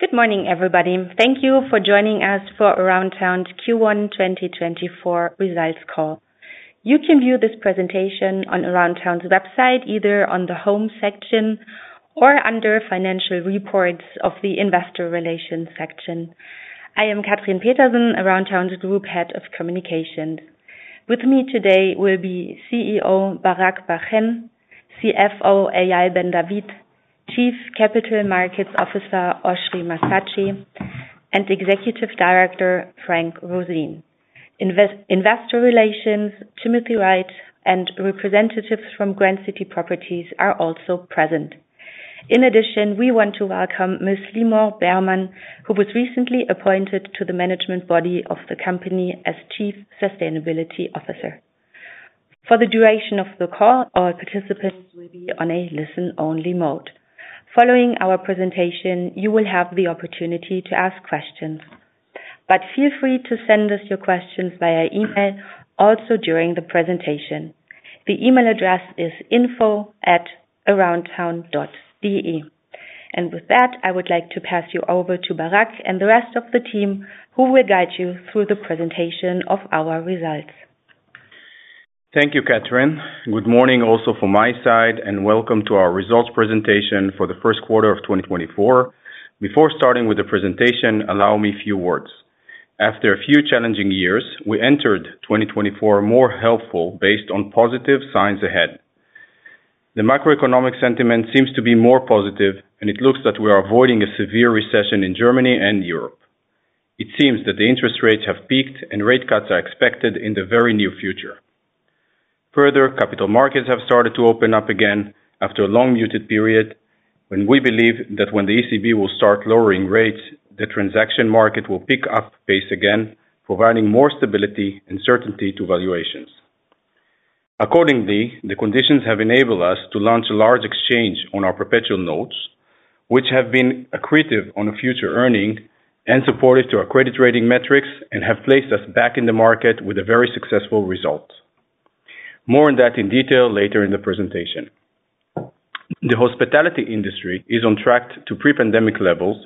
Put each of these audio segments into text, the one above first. Good morning, everybody. Thank you for joining us for Aroundtown's Q1 2024 results call. You can view this presentation on Aroundtown's website, either on the home section or under Financial Reports of the Investor Relations section. I am Katrin Petersen, Aroundtown's Group Head of Communications. With me today will be CEO Barak Bar-Hen, CFO Eyal Ben David, Chief Capital Markets Officer Oschrie Massatschi, and Executive Director Frank Roseen. Investor Relations, Timothy Wright, and representatives from Grand City Properties are also present. In addition, we want to welcome Ms. Limor Bermann, who was recently appointed to the management body of the company as Chief Sustainability Officer. For the duration of the call, all participants will be on a listen-only mode. Following our presentation, you will have the opportunity to ask questions. But feel free to send us your questions via email, also during the presentation. The email address is info@aroundtown.de. With that, I would like to pass you over to Barak and the rest of the team, who will guide you through the presentation of our results. Thank you, Katrin. Good morning also from my side, and welcome to our results presentation for the first quarter of 2024. Before starting with the presentation, allow me a few words. After a few challenging years, we entered 2024 more hopeful based on positive signs ahead. The macroeconomic sentiment seems to be more positive, and it looks that we are avoiding a severe recession in Germany and Europe. It seems that the interest rates have peaked and rate cuts are expected in the very near future. Further, capital markets have started to open up again after a long muted period, when we believe that when the ECB will start lowering rates, the transaction market will pick up pace again, providing more stability and certainty to valuations. Accordingly, the conditions have enabled us to launch a large exchange on our perpetual notes, which have been accretive on future earnings and supportive to our credit rating metrics, and have placed us back in the market with a very successful result. More on that in detail later in the presentation. The hospitality industry is on track to pre-pandemic levels,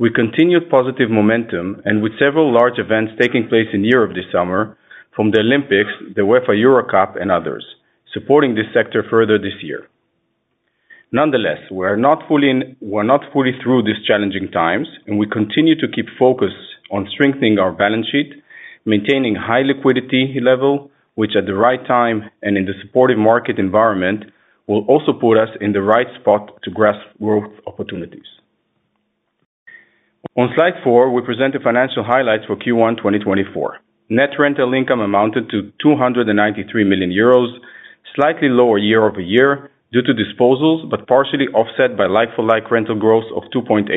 with continued positive momentum and with several large events taking place in Europe this summer, from the Olympics, the UEFA Euro Cup, and others, supporting this sector further this year. Nonetheless, we're not fully through these challenging times, and we continue to keep focused on strengthening our balance sheet, maintaining high liquidity level, which at the right time and in the supportive market environment, will also put us in the right spot to grasp growth opportunities. On slide 4, we present the financial highlights for Q1 2024. Net rental income amounted to 293 million euros, slightly lower year-over-year due to disposals, but partially offset by like-for-like rental growth of 2.8%.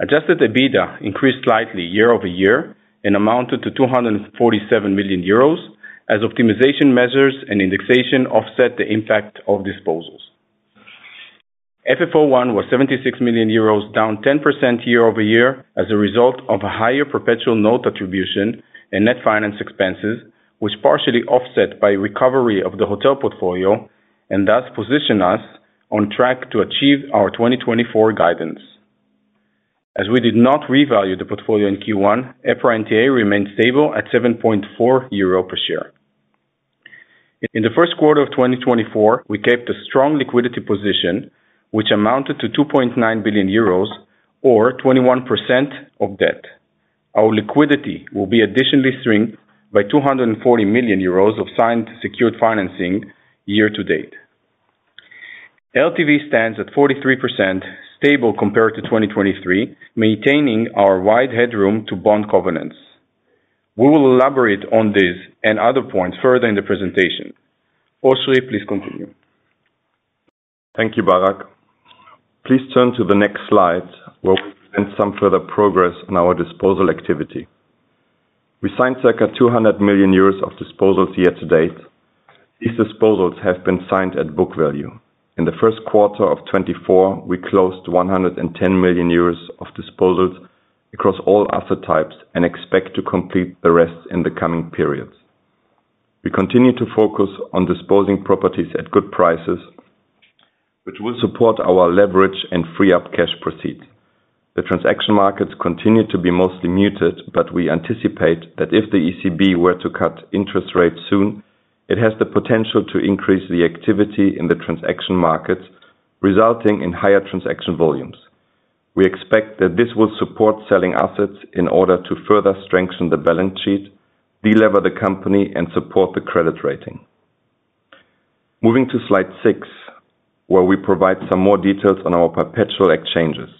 Adjusted EBITDA increased slightly year-over-year and amounted to 247 million euros, as optimization measures and indexation offset the impact of disposals. FFO-1 was 76 million euros, down 10% year-over-year, as a result of a higher perpetual note attribution and net finance expenses, was partially offset by recovery of the hotel portfolio and thus position us on track to achieve our 2024 guidance. As we did not revalue the portfolio in Q1, EPRA NTA remains stable at 7.4 euro per share. In the first quarter of 2024, we kept a strong liquidity position, which amounted to 2.9 billion euros or 21% of debt. Our liquidity will be additionally strengthened by 240 million euros of signed secured financing year to date. LTV stands at 43%, stable compared to 2023, maintaining our wide headroom to bond covenants. We will elaborate on this and other points further in the presentation. Oschrie, please continue. Thank you, Barak. Please turn to the next slide, where we present some further progress on our disposal activity. We signed circa 200 million euros of disposals year to date. These disposals have been signed at book value. In the first quarter of 2024, we closed 110 million euros of disposals across all asset types and expect to complete the rest in the coming periods. We continue to focus on disposing properties at good prices, which will support our leverage and free up cash proceeds. The transaction markets continue to be mostly muted, but we anticipate that if the ECB were to cut interest rates soon, it has the potential to increase the activity in the transaction markets, resulting in higher transaction volumes. We expect that this will support selling assets in order to further strengthen the balance sheet, delever the company, and support the credit rating. Moving to slide 6, where we provide some more details on our perpetual exchanges.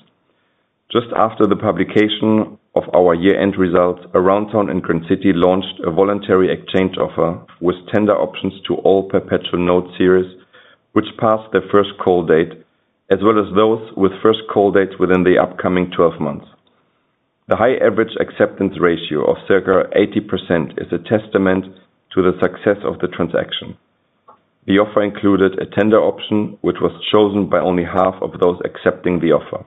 Just after the publication of our year-end results, Aroundtown and Grand City launched a voluntary exchange offer with tender options to all perpetual note series, which passed their first call date, as well as those with first call dates within the upcoming 12 months. The high average acceptance ratio of circa 80% is a testament to the success of the transaction. The offer included a tender option, which was chosen by only half of those accepting the offer.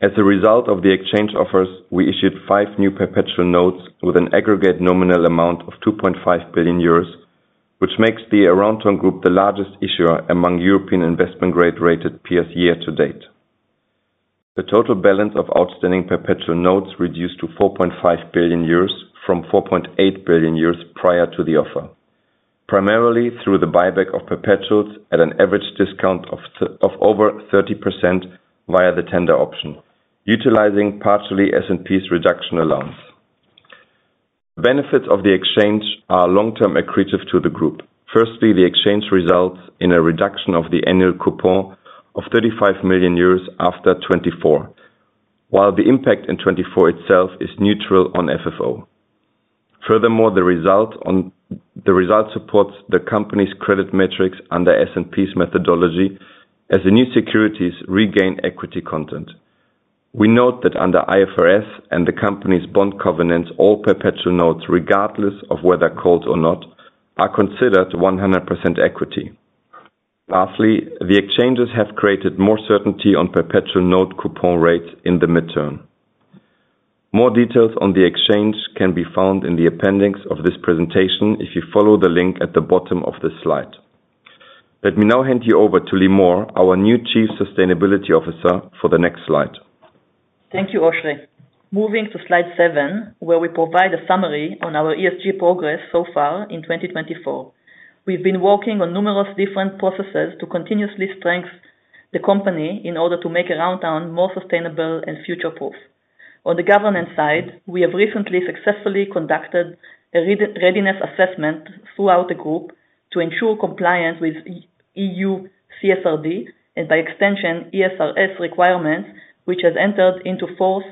As a result of the exchange offers, we issued five new perpetual notes with an aggregate nominal amount of 2.5 billion euros, which makes the Aroundtown Group the largest issuer among European investment grade rated peers year to date. The total balance of outstanding perpetual notes reduced to 4.5 billion euros from 4.8 billion euros prior to the offer, primarily through the buyback of perpetuals at an average discount of over 30% via the tender option, utilizing partially S&P's reduction allowance. Benefits of the exchange are long-term accretive to the group. Firstly, the exchange results in a reduction of the annual coupon of 35 million euros after 2024, while the impact in 2024 itself is neutral on FFO. Furthermore, the result supports the company's credit metrics under S&P's methodology, as the new securities regain equity content. We note that under IFRS and the company's bond covenants, all perpetual notes, regardless of whether called or not, are considered 100% equity. Lastly, the exchanges have created more certainty on perpetual note coupon rates in the midterm. More details on the exchange can be found in the appendix of this presentation if you follow the link at the bottom of this slide. Let me now hand you over to Limor, our new Chief Sustainability Officer, for the next slide. Thank you, Oschrie. Moving to slide 7, where we provide a summary on our ESG progress so far in 2024. We've been working on numerous different processes to continuously strengthen the company in order to make Aroundtown more sustainable and future-proof. On the governance side, we have recently successfully conducted a readiness assessment throughout the group to ensure compliance with EU CSRD, and by extension, ESRS requirements, which has entered into force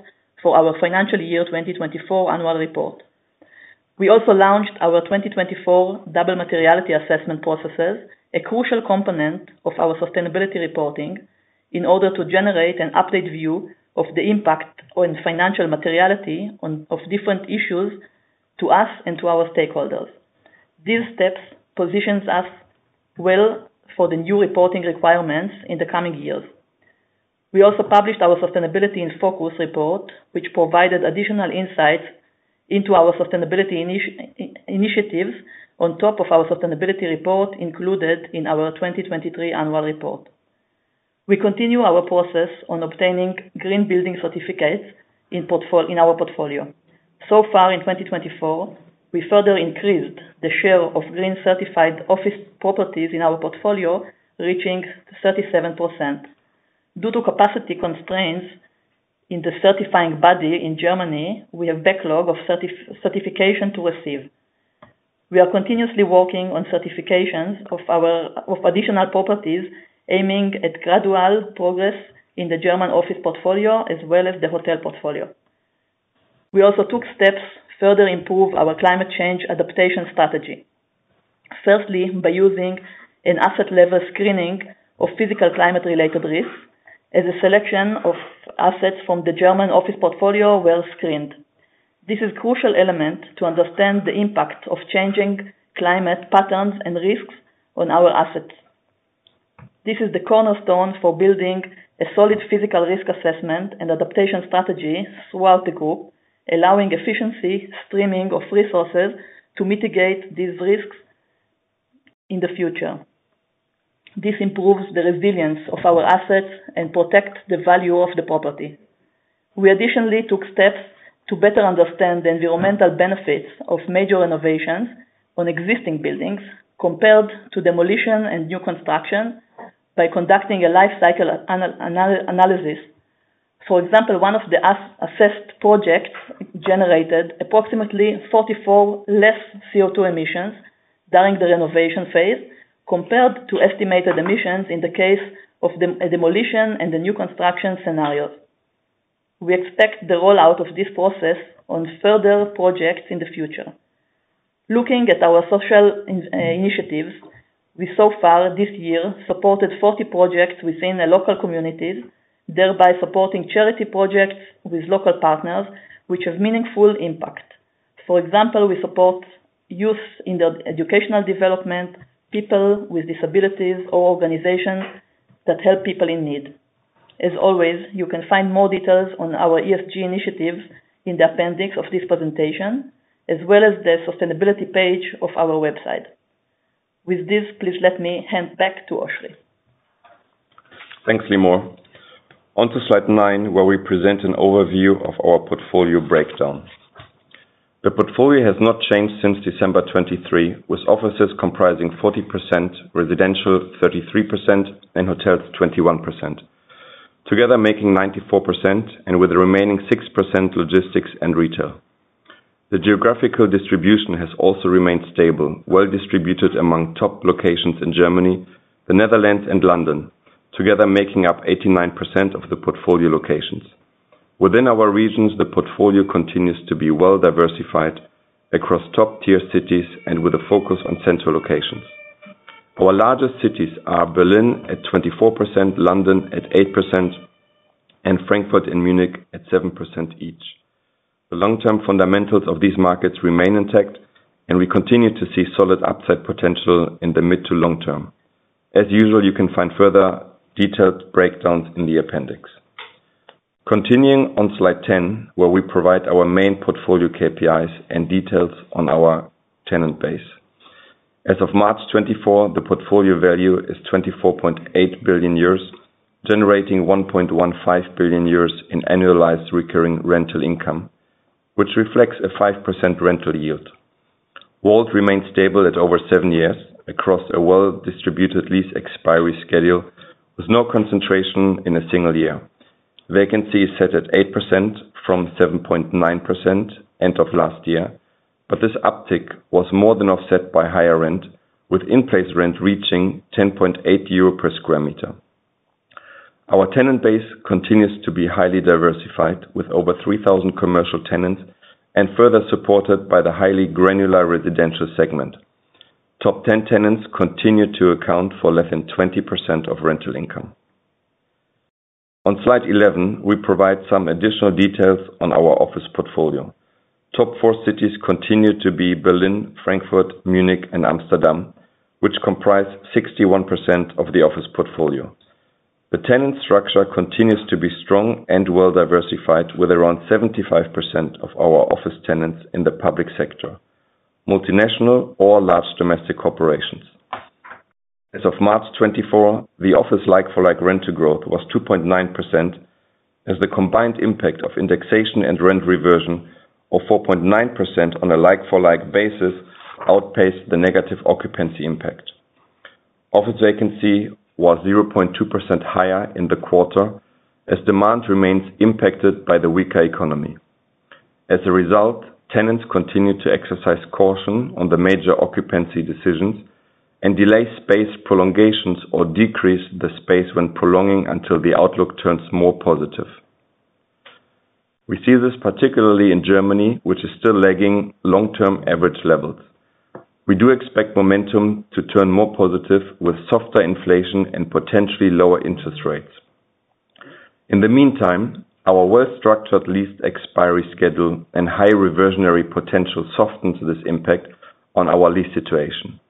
for our financial year 2024 annual report. We also launched our 2024 double materiality assessment processes, a crucial component of our sustainability reporting, in order to generate an updated view of the impact on financial materiality on, of different issues to us and to our stakeholders. These steps positions us well for the new reporting requirements in the coming years. We also published our Sustainability in Focus report, which provided additional insights into our sustainability initiatives on top of our sustainability report, included in our 2023 annual report. We continue our process on obtaining green building certificates in our portfolio. So far in 2024, we further increased the share of green certified office properties in our portfolio, reaching 37%. Due to capacity constraints in the certifying body in Germany, we have backlog of certification to receive. We are continuously working on certifications of additional properties, aiming at gradual progress in the German office portfolio as well as the hotel portfolio. We also took steps to further improve our climate change adaptation strategy. Firstly, by using an asset-level screening of physical climate-related risks as a selection of assets from the German office portfolio were screened. This is a crucial element to understand the impact of changing climate patterns and risks on our assets. This is the cornerstone for building a solid physical risk assessment and adaptation strategy throughout the group, allowing efficiency, streaming of resources to mitigate these risks in the future. This improves the resilience of our assets and protects the value of the property. We additionally took steps to better understand the environmental benefits of major renovations on existing buildings, compared to demolition and new construction, by conducting a life cycle analysis. For example, one of the assessed projects generated approximately 44 less CO₂ emissions during the renovation phase, compared to estimated emissions in the case of demolition and the new construction scenarios. We expect the rollout of this process on further projects in the future. Looking at our social initiatives, we so far this year, supported 40 projects within the local communities, thereby supporting charity projects with local partners, which have meaningful impact. For example, we support youth in their educational development, people with disabilities, or organizations that help people in need. As always, you can find more details on our ESG initiatives in the appendix of this presentation, as well as the sustainability page of our website. With this, please let me hand back to Oschrie. Thanks, Limor. On to slide 9, where we present an overview of our portfolio breakdown. The portfolio has not changed since December 2023, with offices comprising 40%, residential 33%, and hotels 21%. Together, making 94%, and with the remaining 6%, logistics and retail. The geographical distribution has also remained stable, well distributed among top locations in Germany, the Netherlands, and London, together making up 89% of the portfolio locations. Within our regions, the portfolio continues to be well diversified across top-tier cities and with a focus on central locations. Our largest cities are Berlin at 24%, London at 8%, and Frankfurt and Munich at 7% each. The long-term fundamentals of these markets remain intact, and we continue to see solid upside potential in the mid to long term. As usual, you can find further detailed breakdowns in the appendix. Continuing on slide 10, where we provide our main portfolio KPIs and details on our tenant base. As of March 2024, the portfolio value is 24.8 billion euros, generating 1.15 billion euros in annualized recurring rental income, which reflects a 5% rental yield. WALT remains stable at over 7 years across a well-distributed lease expiry schedule, with no concentration in a single year. Vacancy is set at 8% from 7.9% end of last year, but this uptick was more than offset by higher rent, with in-place rent reaching 10.8 per sq m. Our tenant base continues to be highly diversified, with over 3,000 commercial tenants, and further supported by the highly granular residential segment. Top 10 tenants continue to account for less than 20% of rental income. On slide 11, we provide some additional details on our office portfolio. Top four cities continue to be Berlin, Frankfurt, Munich, and Amsterdam, which comprise 61% of the office portfolio. The tenant structure continues to be strong and well-diversified, with around 75% of our office tenants in the public sector, multinational or large domestic corporations. As of March 2024, the office like-for-like rental growth was 2.9%, as the combined impact of indexation and rent reversion of 4.9% on a like-for-like basis outpaced the negative occupancy impact. Office vacancy was 0.2% higher in the quarter, as demand remains impacted by the weaker economy. As a result, tenants continue to exercise caution on the major occupancy decisions and delay space prolongations or decrease the space when prolonging until the outlook turns more positive. We see this particularly in Germany, which is still lagging long-term average levels. We do expect momentum to turn more positive with softer inflation and potentially lower interest rates. In the meantime, our well-structured lease expiry schedule and high reversionary potential softens this impact on our lease situation.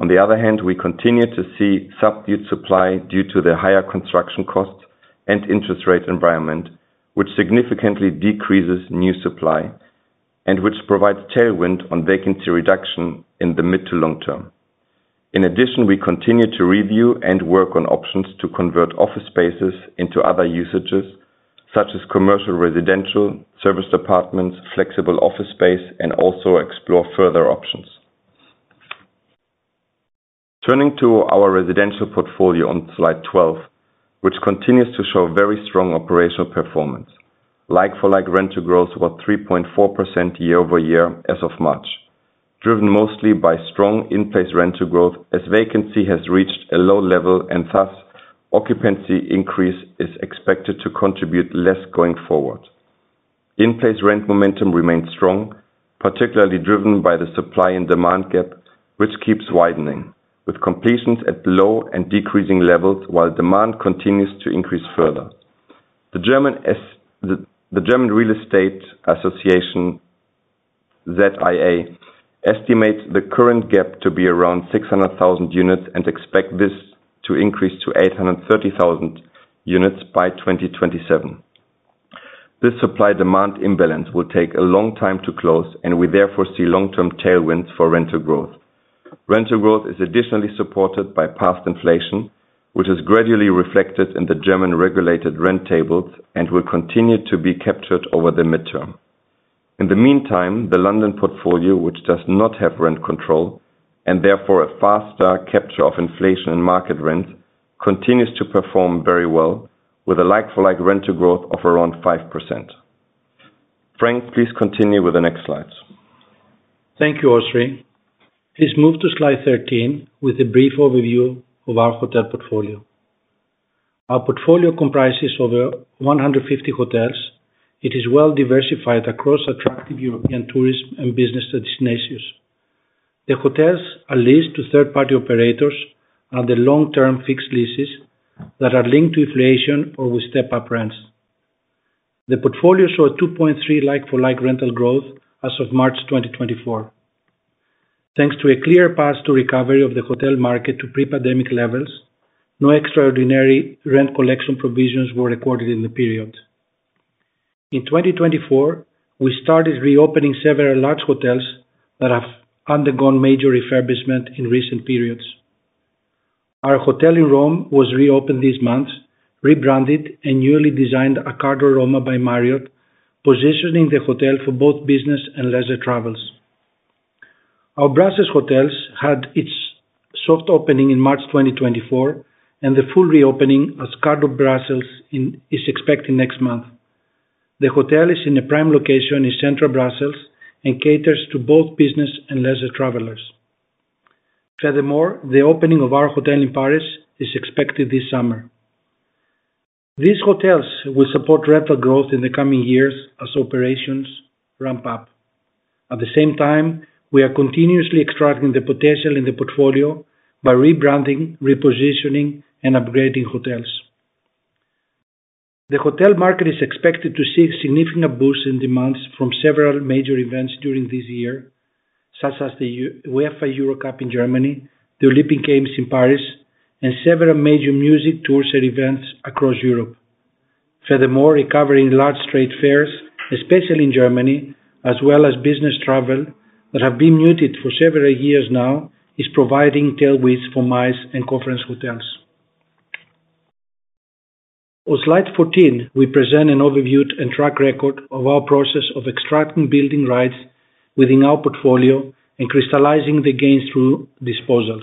On the other hand, we continue to see subdued supply due to the higher construction costs and interest rate environment, which significantly decreases new supply and which provides tailwind on vacancy reduction in the mid to long term. In addition, we continue to review and work on options to convert office spaces into other usages, such as commercial, residential, serviced apartments, flexible office space, and also explore further options. Turning to our residential portfolio on slide 12, which continues to show very strong operational performance. Like-for-like, rental growth was 3.4% year-over-year as of March, driven mostly by strong in-place rental growth, as vacancy has reached a low level, and thus occupancy increase is expected to contribute less going forward. In-place rent momentum remains strong, particularly driven by the supply and demand gap, which keeps widening, with completions at low and decreasing levels, while demand continues to increase further. The German Real Estate Association, ZIA, estimates the current gap to be around 600,000 units and expect this to increase to 830,000 units by 2027. This supply-demand imbalance will take a long time to close, and we therefore see long-term tailwinds for rental growth. Rental growth is additionally supported by past inflation, which is gradually reflected in the German regulated rent tables and will continue to be captured over the midterm. In the meantime, the London portfolio, which does not have rent control, and therefore a faster capture of inflation and market rent, continues to perform very well with a like-for-like rental growth of around 5%. Frank, please continue with the next slides. Thank you, Oschrie. Please move to slide 13 with a brief overview of our hotel portfolio. Our portfolio comprises over 150 hotels. It is well diversified across attractive European tourism and business destinations. The hotels are leased to third-party operators under long-term fixed leases that are linked to inflation or with step-up rents. The portfolio saw a 2.3% like-for-like rental growth as of March 2024. Thanks to a clear path to recovery of the hotel market to pre-pandemic levels, no extraordinary rent collection provisions were recorded in the period. In 2024, we started reopening several large hotels that have undergone major refurbishment in recent periods. Our hotel in Rome was reopened this month, rebranded and newly designed Cardo Roma by Marriott, positioning the hotel for both business and leisure travels. Our Brussels hotels had its soft opening in March 2024, and the full reopening as Cardo Brussels is expected next month. The hotel is in a prime location in central Brussels and caters to both business and leisure travelers. Furthermore, the opening of our hotel in Paris is expected this summer. These hotels will support rental growth in the coming years as operations ramp up. At the same time, we are continuously extracting the potential in the portfolio by rebranding, repositioning, and upgrading hotels. The hotel market is expected to see a significant boost in demands from several major events during this year, such as the UEFA Euro Cup in Germany, the Olympic Games in Paris, and several major music tours, and events across Europe. Furthermore, recovering large trade fairs, especially in Germany, as well as business travel, that have been muted for several years now, is providing tailwinds for MICE and conference hotels. On slide 14, we present an overview and track record of our process of extracting building rights within our portfolio and crystallizing the gains through disposals.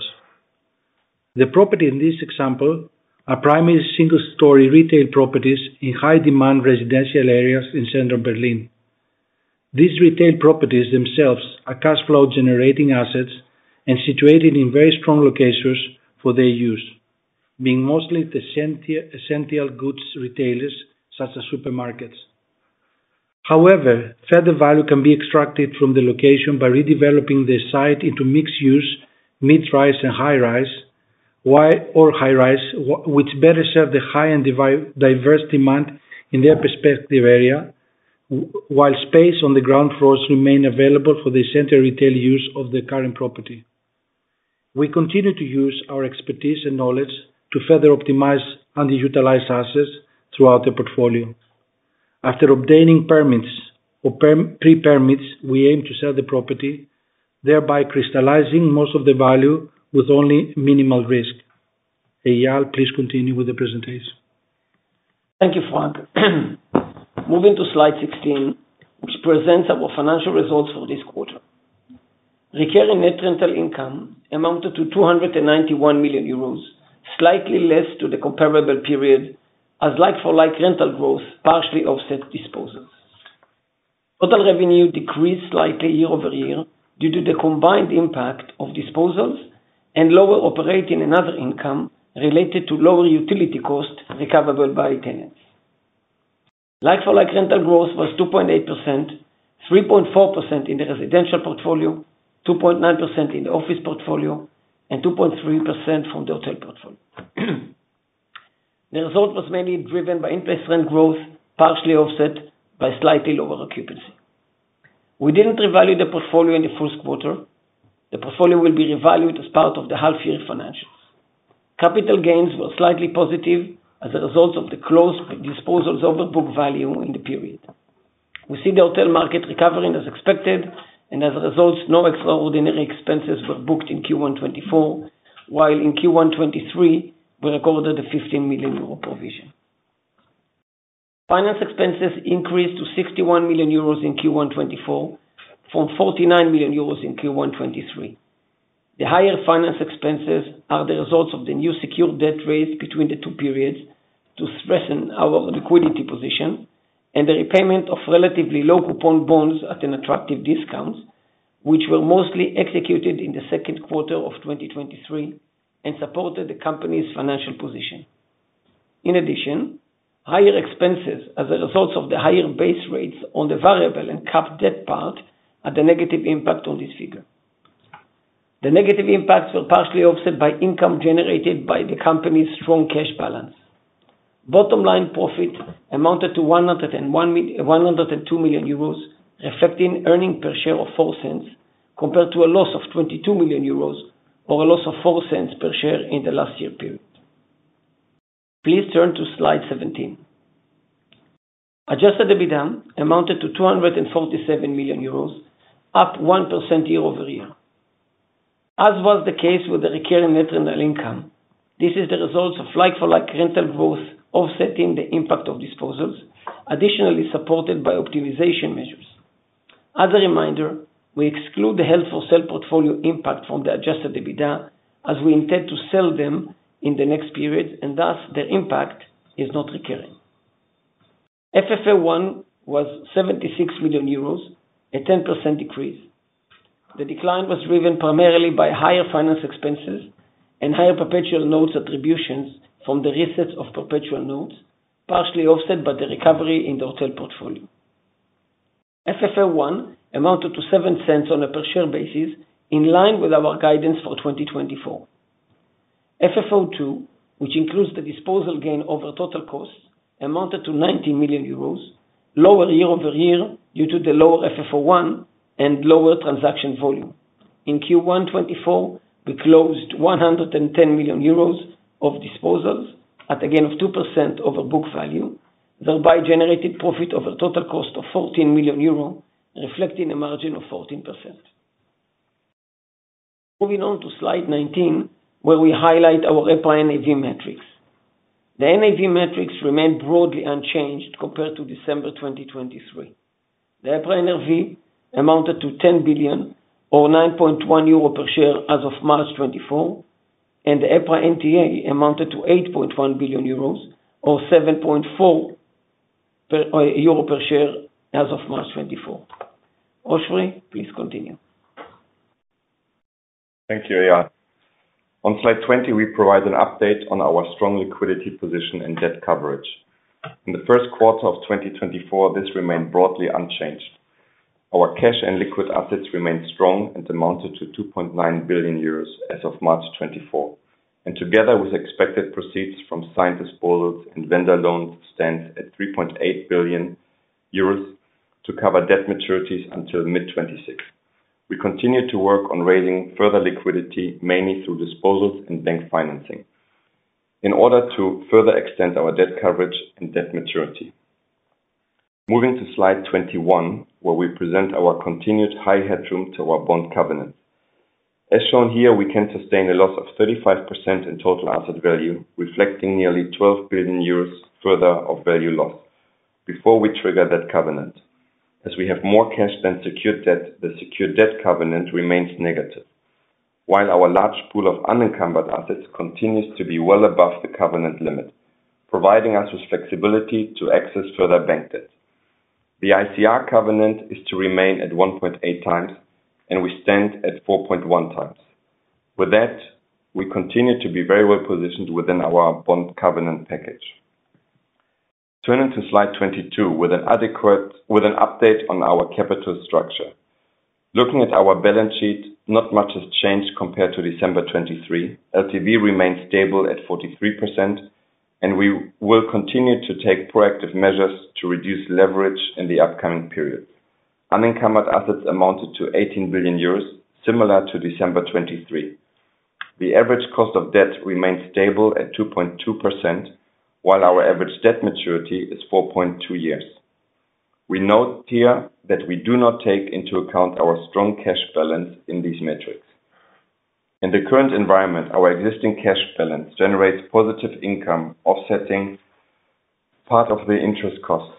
The property in this example are primary single-story retail properties in high demand residential areas in central Berlin. These retail properties themselves are cash flow generating assets and situated in very strong locations for their use, being mostly the essential goods retailers such as supermarkets. However, further value can be extracted from the location by redeveloping the site into mixed use, mid-rise and high-rise, which better serve the high-end diverse demand in their respective area, while space on the ground floors remain available for the center retail use of the current property. We continue to use our expertise and knowledge to further optimize underutilized assets throughout the portfolio. After obtaining permits or pre-permits, we aim to sell the property, thereby crystallizing most of the value with only minimal risk. Eyal, please continue with the presentation. Thank you, Frank. Moving to slide 16, which presents our financial results for this quarter. Recurrent net rental income amounted to 291 million euros, slightly less to the comparable period, as like-for-like rental growth partially offset disposals. Total revenue decreased slightly year-over-year due to the combined impact of disposals and lower operating and other income related to lower utility costs recoverable by tenants. Like-for-like rental growth was 2.8%, 3.4% in the residential portfolio, 2.9% in the office portfolio, and 2.3% from the hotel portfolio. The result was mainly driven by in-place rent growth, partially offset by slightly lower occupancy. We didn't revalue the portfolio in the first quarter. The portfolio will be revalued as part of the half year financials. Capital gains were slightly positive as a result of the close disposals over book value in the period. We see the hotel market recovering as expected, and as a result, no extraordinary expenses were booked in Q1 2024, while in Q1 2023, we recorded a 15 million euro provision. Finance expenses increased to 61 million euros in Q1 2024, from 49 million euros in Q1 2023. The higher finance expenses are the results of the new secured debt raised between the two periods to strengthen our liquidity position, and the repayment of relatively low coupon bonds at an attractive discount, which were mostly executed in the second quarter of 2023 and supported the company's financial position. In addition, higher expenses as a result of the higher base rates on the variable and capped debt part, had a negative impact on this figure. The negative impacts were partially offset by income generated by the company's strong cash balance. Bottom line profit amounted to 102 million euros, reflecting earnings per share of 0.04, compared to a loss of 22 million euros or a loss of 0.04 per share in the last year period. Please turn to slide 17. Adjusted EBITDA amounted to 247 million euros, up 1% year-over-year. As was the case with the recurring net rental income, this is the result of like-for-like rental growth offsetting the impact of disposals, additionally supported by optimization measures. As a reminder, we exclude the held-for-sale portfolio impact from the adjusted EBITDA, as we intend to sell them in the next period, and thus the impact is not recurring. FFO-1 was 76 million euros, a 10% decrease. The decline was driven primarily by higher finance expenses and higher perpetual notes attributions from the reset of perpetual notes, partially offset by the recovery in the hotel portfolio. FFO-1 amounted to 0.07 on a per share basis, in line with our guidance for 2024. FFO-2, which includes the disposal gain over total costs, amounted to 90 million euros, lower year-over-year due to the lower FFO-1 and lower transaction volume. In Q1 2024, we closed 110 million euros of disposals at a gain of 2% over book value, thereby generating profit over total cost of 14 million euro, reflecting a margin of 14%. Moving on to slide 19, where we highlight our EPRA NAV metrics. The NAV metrics remain broadly unchanged compared to December 2023. The EPRA NAV amounted to 10 billion or 9.1 euro per share as of March 2024, and the EPRA NTA amounted to 8.1 billion euros, or 7.4 euro per share as of March 2024. Oschrie, please continue. Thank you, Eyal. On slide 20, we provide an update on our strong liquidity position and debt coverage. In the first quarter of 2024, this remained broadly unchanged. ... Our cash and liquid assets remain strong and amounted to 2.9 billion euros as of March 2024, and together with expected proceeds from signed disposals and vendor loans, stands at 3.8 billion euros to cover debt maturities until mid-2026. We continue to work on raising further liquidity, mainly through disposals and bank financing, in order to further extend our debt coverage and debt maturity. Moving to slide 21, where we present our continued high headroom to our bond covenant. As shown here, we can sustain a loss of 35% in total asset value, reflecting nearly 12 billion euros further of value loss, before we trigger that covenant. As we have more cash than secured debt, the secured debt covenant remains negative. While our large pool of unencumbered assets continues to be well above the covenant limit, providing us with flexibility to access further bank debt. The ICR covenant is to remain at 1.8 times, and we stand at 4.1 times. With that, we continue to be very well positioned within our bond covenant package. Turning to slide 22, with an update on our capital structure. Looking at our balance sheet, not much has changed compared to December 2023. LTV remains stable at 43%, and we will continue to take proactive measures to reduce leverage in the upcoming period. Unencumbered assets amounted to €18 billion, similar to December 2023. The average cost of debt remains stable at 2.2%, while our average debt maturity is 4.2 years. We note here that we do not take into account our strong cash balance in these metrics. In the current environment, our existing cash balance generates positive income, offsetting part of the interest costs.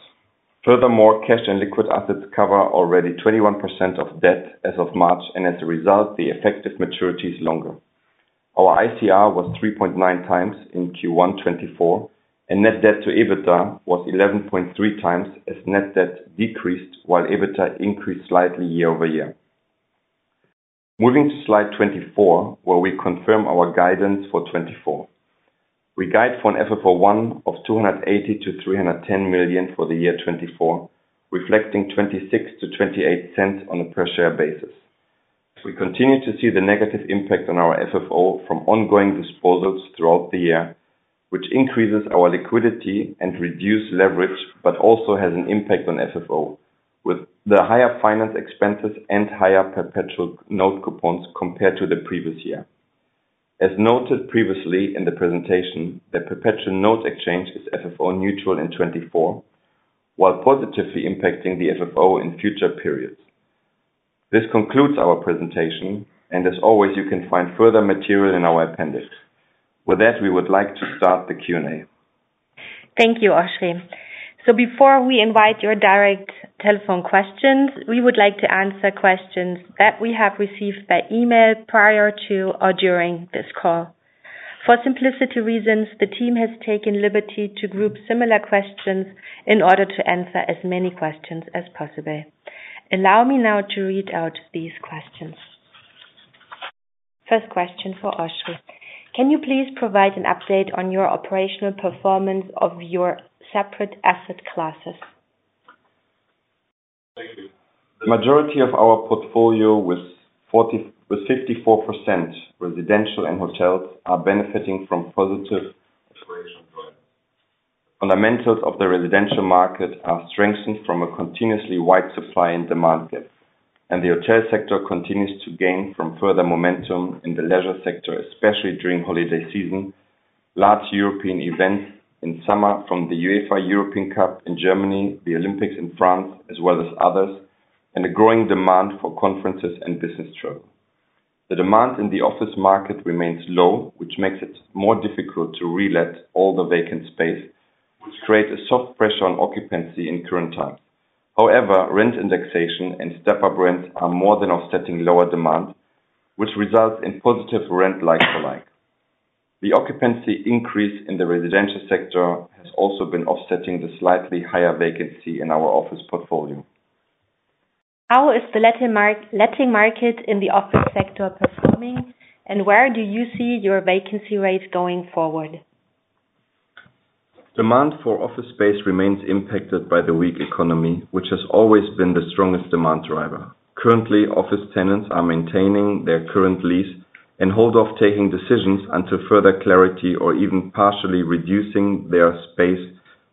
Furthermore, cash and liquid assets cover already 21% of debt as of March, and as a result, the effective maturity is longer. Our ICR was 3.9 times in Q1 2024, and net debt to EBITDA was 11.3 times, as net debt decreased, while EBITDA increased slightly year-over-year. Moving to slide 24, where we confirm our guidance for 2024. We guide for an FFO-1 of 280 million-310 million for the year 2024, reflecting 0.26-0.28 on a per share basis. We continue to see the negative impact on our FFO from ongoing disposals throughout the year, which increases our liquidity and reduce leverage, but also has an impact on FFO, with the higher finance expenses and higher perpetual note coupons compared to the previous year. As noted previously in the presentation, the perpetual notes exchange is FFO neutral in 2024, while positively impacting the FFO in future periods. This concludes our presentation, and as always, you can find further material in our appendix. With that, we would like to start the Q&A. Thank you, Oschrie. So before we invite your direct telephone questions, we would like to answer questions that we have received by email prior to or during this call. For simplicity reasons, the team has taken liberty to group similar questions in order to answer as many questions as possible. Allow me now to read out these questions. First question for Oschrie: Can you please provide an update on your operational performance of your separate asset classes? Thank you. The majority of our portfolio with 54% residential and hotels are benefiting from positive operational growth. Fundamentals of the residential market are strengthened from a continuously wide supply and demand gap, and the hotel sector continues to gain from further momentum in the leisure sector, especially during holiday season. Large European events in summer from the UEFA European Cup in Germany, the Olympics in France, as well as others, and a growing demand for conferences and business travel. The demand in the office market remains low, which makes it more difficult to relet all the vacant space, which creates a soft pressure on occupancy in current times. However, rent indexation and step-up rents are more than offsetting lower demand, which results in positive rent like for like. The occupancy increase in the residential sector has also been offsetting the slightly higher vacancy in our office portfolio. How is the letting market in the office sector performing, and where do you see your vacancy rate going forward? Demand for office space remains impacted by the weak economy, which has always been the strongest demand driver. Currently, office tenants are maintaining their current lease and hold off taking decisions until further clarity or even partially reducing their space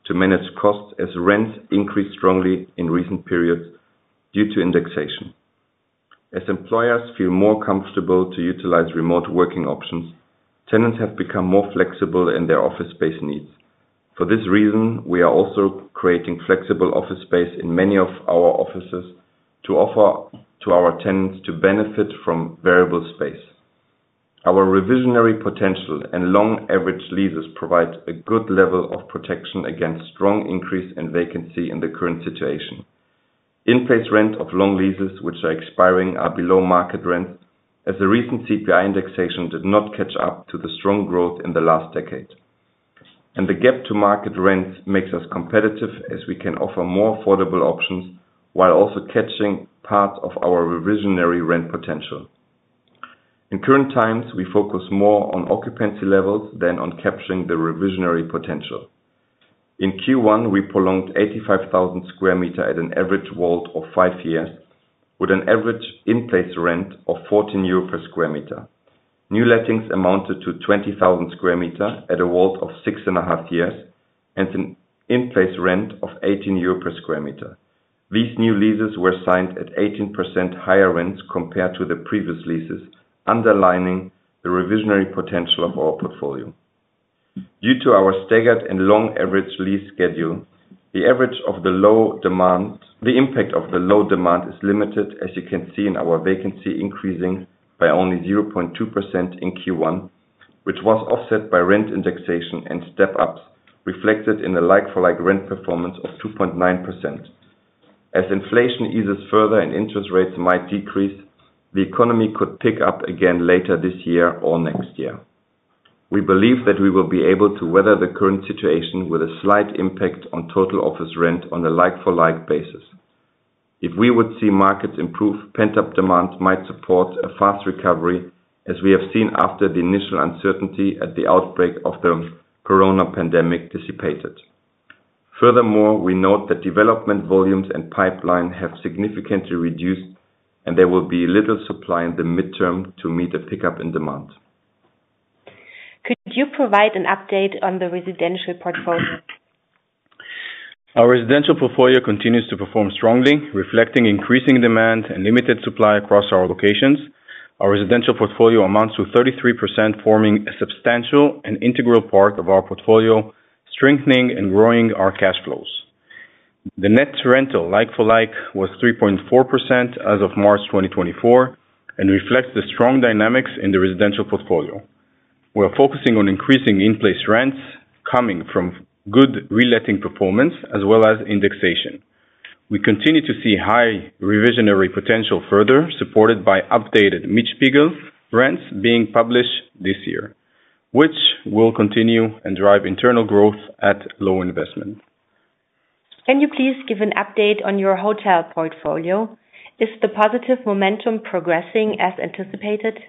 to manage costs, as rents increased strongly in recent periods due to indexation. As employers feel more comfortable to utilize remote working options, tenants have become more flexible in their office space needs. For this reason, we are also creating flexible office space in many of our offices to offer to our tenants to benefit from variable space. Our reversionary potential and long average leases provide a good level of protection against strong increase in vacancy in the current situation. In-place rent of long leases, which are expiring, are below market rents, as the recent CPI indexation did not catch up to the strong growth in the last decade. The gap to market rents makes us competitive, as we can offer more affordable options, while also catching part of our reversionary rent potential. In current times, we focus more on occupancy levels than on capturing the reversionary potential. In Q1, we prolonged 85,000 sq m at an average WALT of 5 years, with an average in-place rent of 14 per sq m. New lettings amounted to 20,000 sq m at a WALT of 6.5 years, and an in-place rent of 18 per sq m. These new leases were signed at 18% higher rents compared to the previous leases, underlining the reversionary potential of our portfolio. Due to our staggered and long average lease schedule, the impact of the low demand is limited, as you can see in our vacancy increasing by only 0.2% in Q1, which was offset by rent indexation and step-ups, reflected in a like-for-like rent performance of 2.9%. As inflation eases further and interest rates might decrease, the economy could pick up again later this year or next year. We believe that we will be able to weather the current situation with a slight impact on total office rent on a like-for-like basis. If we would see markets improve, pent-up demand might support a fast recovery, as we have seen after the initial uncertainty at the outbreak of the Corona pandemic dissipated. Furthermore, we note that development volumes and pipeline have significantly reduced, and there will be little supply in the midterm to meet the pickup in demand. Could you provide an update on the residential portfolio? Our residential portfolio continues to perform strongly, reflecting increasing demand and limited supply across our locations. Our residential portfolio amounts to 33%, forming a substantial and integral part of our portfolio, strengthening and growing our cash flows. The net rental, like for like, was 3.4% as of March 2024, and reflects the strong dynamics in the residential portfolio. We are focusing on increasing in-place rents, coming from good reletting performance as well as indexation. We continue to see high revisionary potential further, supported by updated Mietspiegel rents being published this year, which will continue and drive internal growth at low investment. Can you please give an update on your hotel portfolio? Is the positive momentum progressing as anticipated?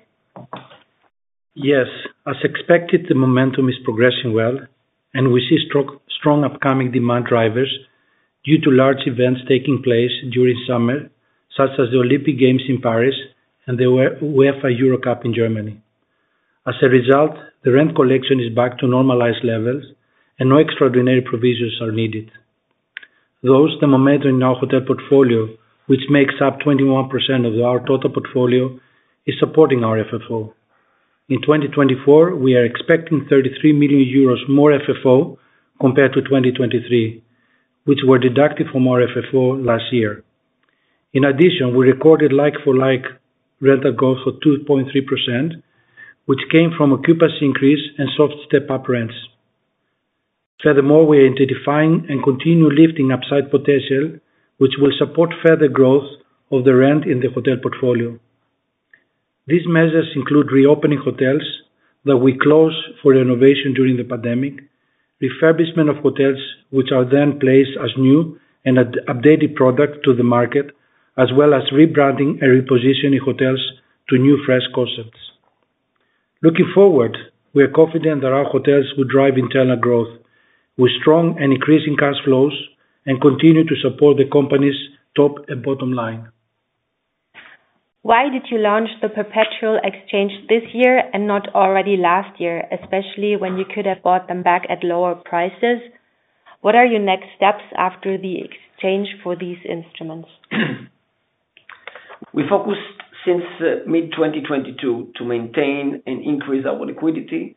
Yes, as expected, the momentum is progressing well, and we see strong upcoming demand drivers due to large events taking place during summer, such as the Olympic Games in Paris and the UEFA Euro Cup in Germany. As a result, the rent collection is back to normalized levels, and no extraordinary provisions are needed. The momentum in our hotel portfolio, which makes up 21% of our total portfolio, is supporting our FFO. In 2024, we are expecting 33 million euros more FFO compared to 2023, which were deducted from our FFO last year. In addition, we recorded like for like rental growth of 2.3%, which came from occupancy increase and soft step-up rents. Furthermore, we are identifying and continue lifting upside potential, which will support further growth of the rent in the hotel portfolio. These measures include reopening hotels that we closed for renovation during the pandemic, refurbishment of hotels, which are then placed as new and updated product to the market, as well as rebranding and repositioning hotels to new, fresh concepts. Looking forward, we are confident that our hotels will drive internal growth, with strong and increasing cash flows, and continue to support the company's top and bottom line. Why did you launch the perpetual exchange this year and not already last year, especially when you could have bought them back at lower prices? What are your next steps after the exchange for these instruments? We focused since mid-2022 to maintain and increase our liquidity,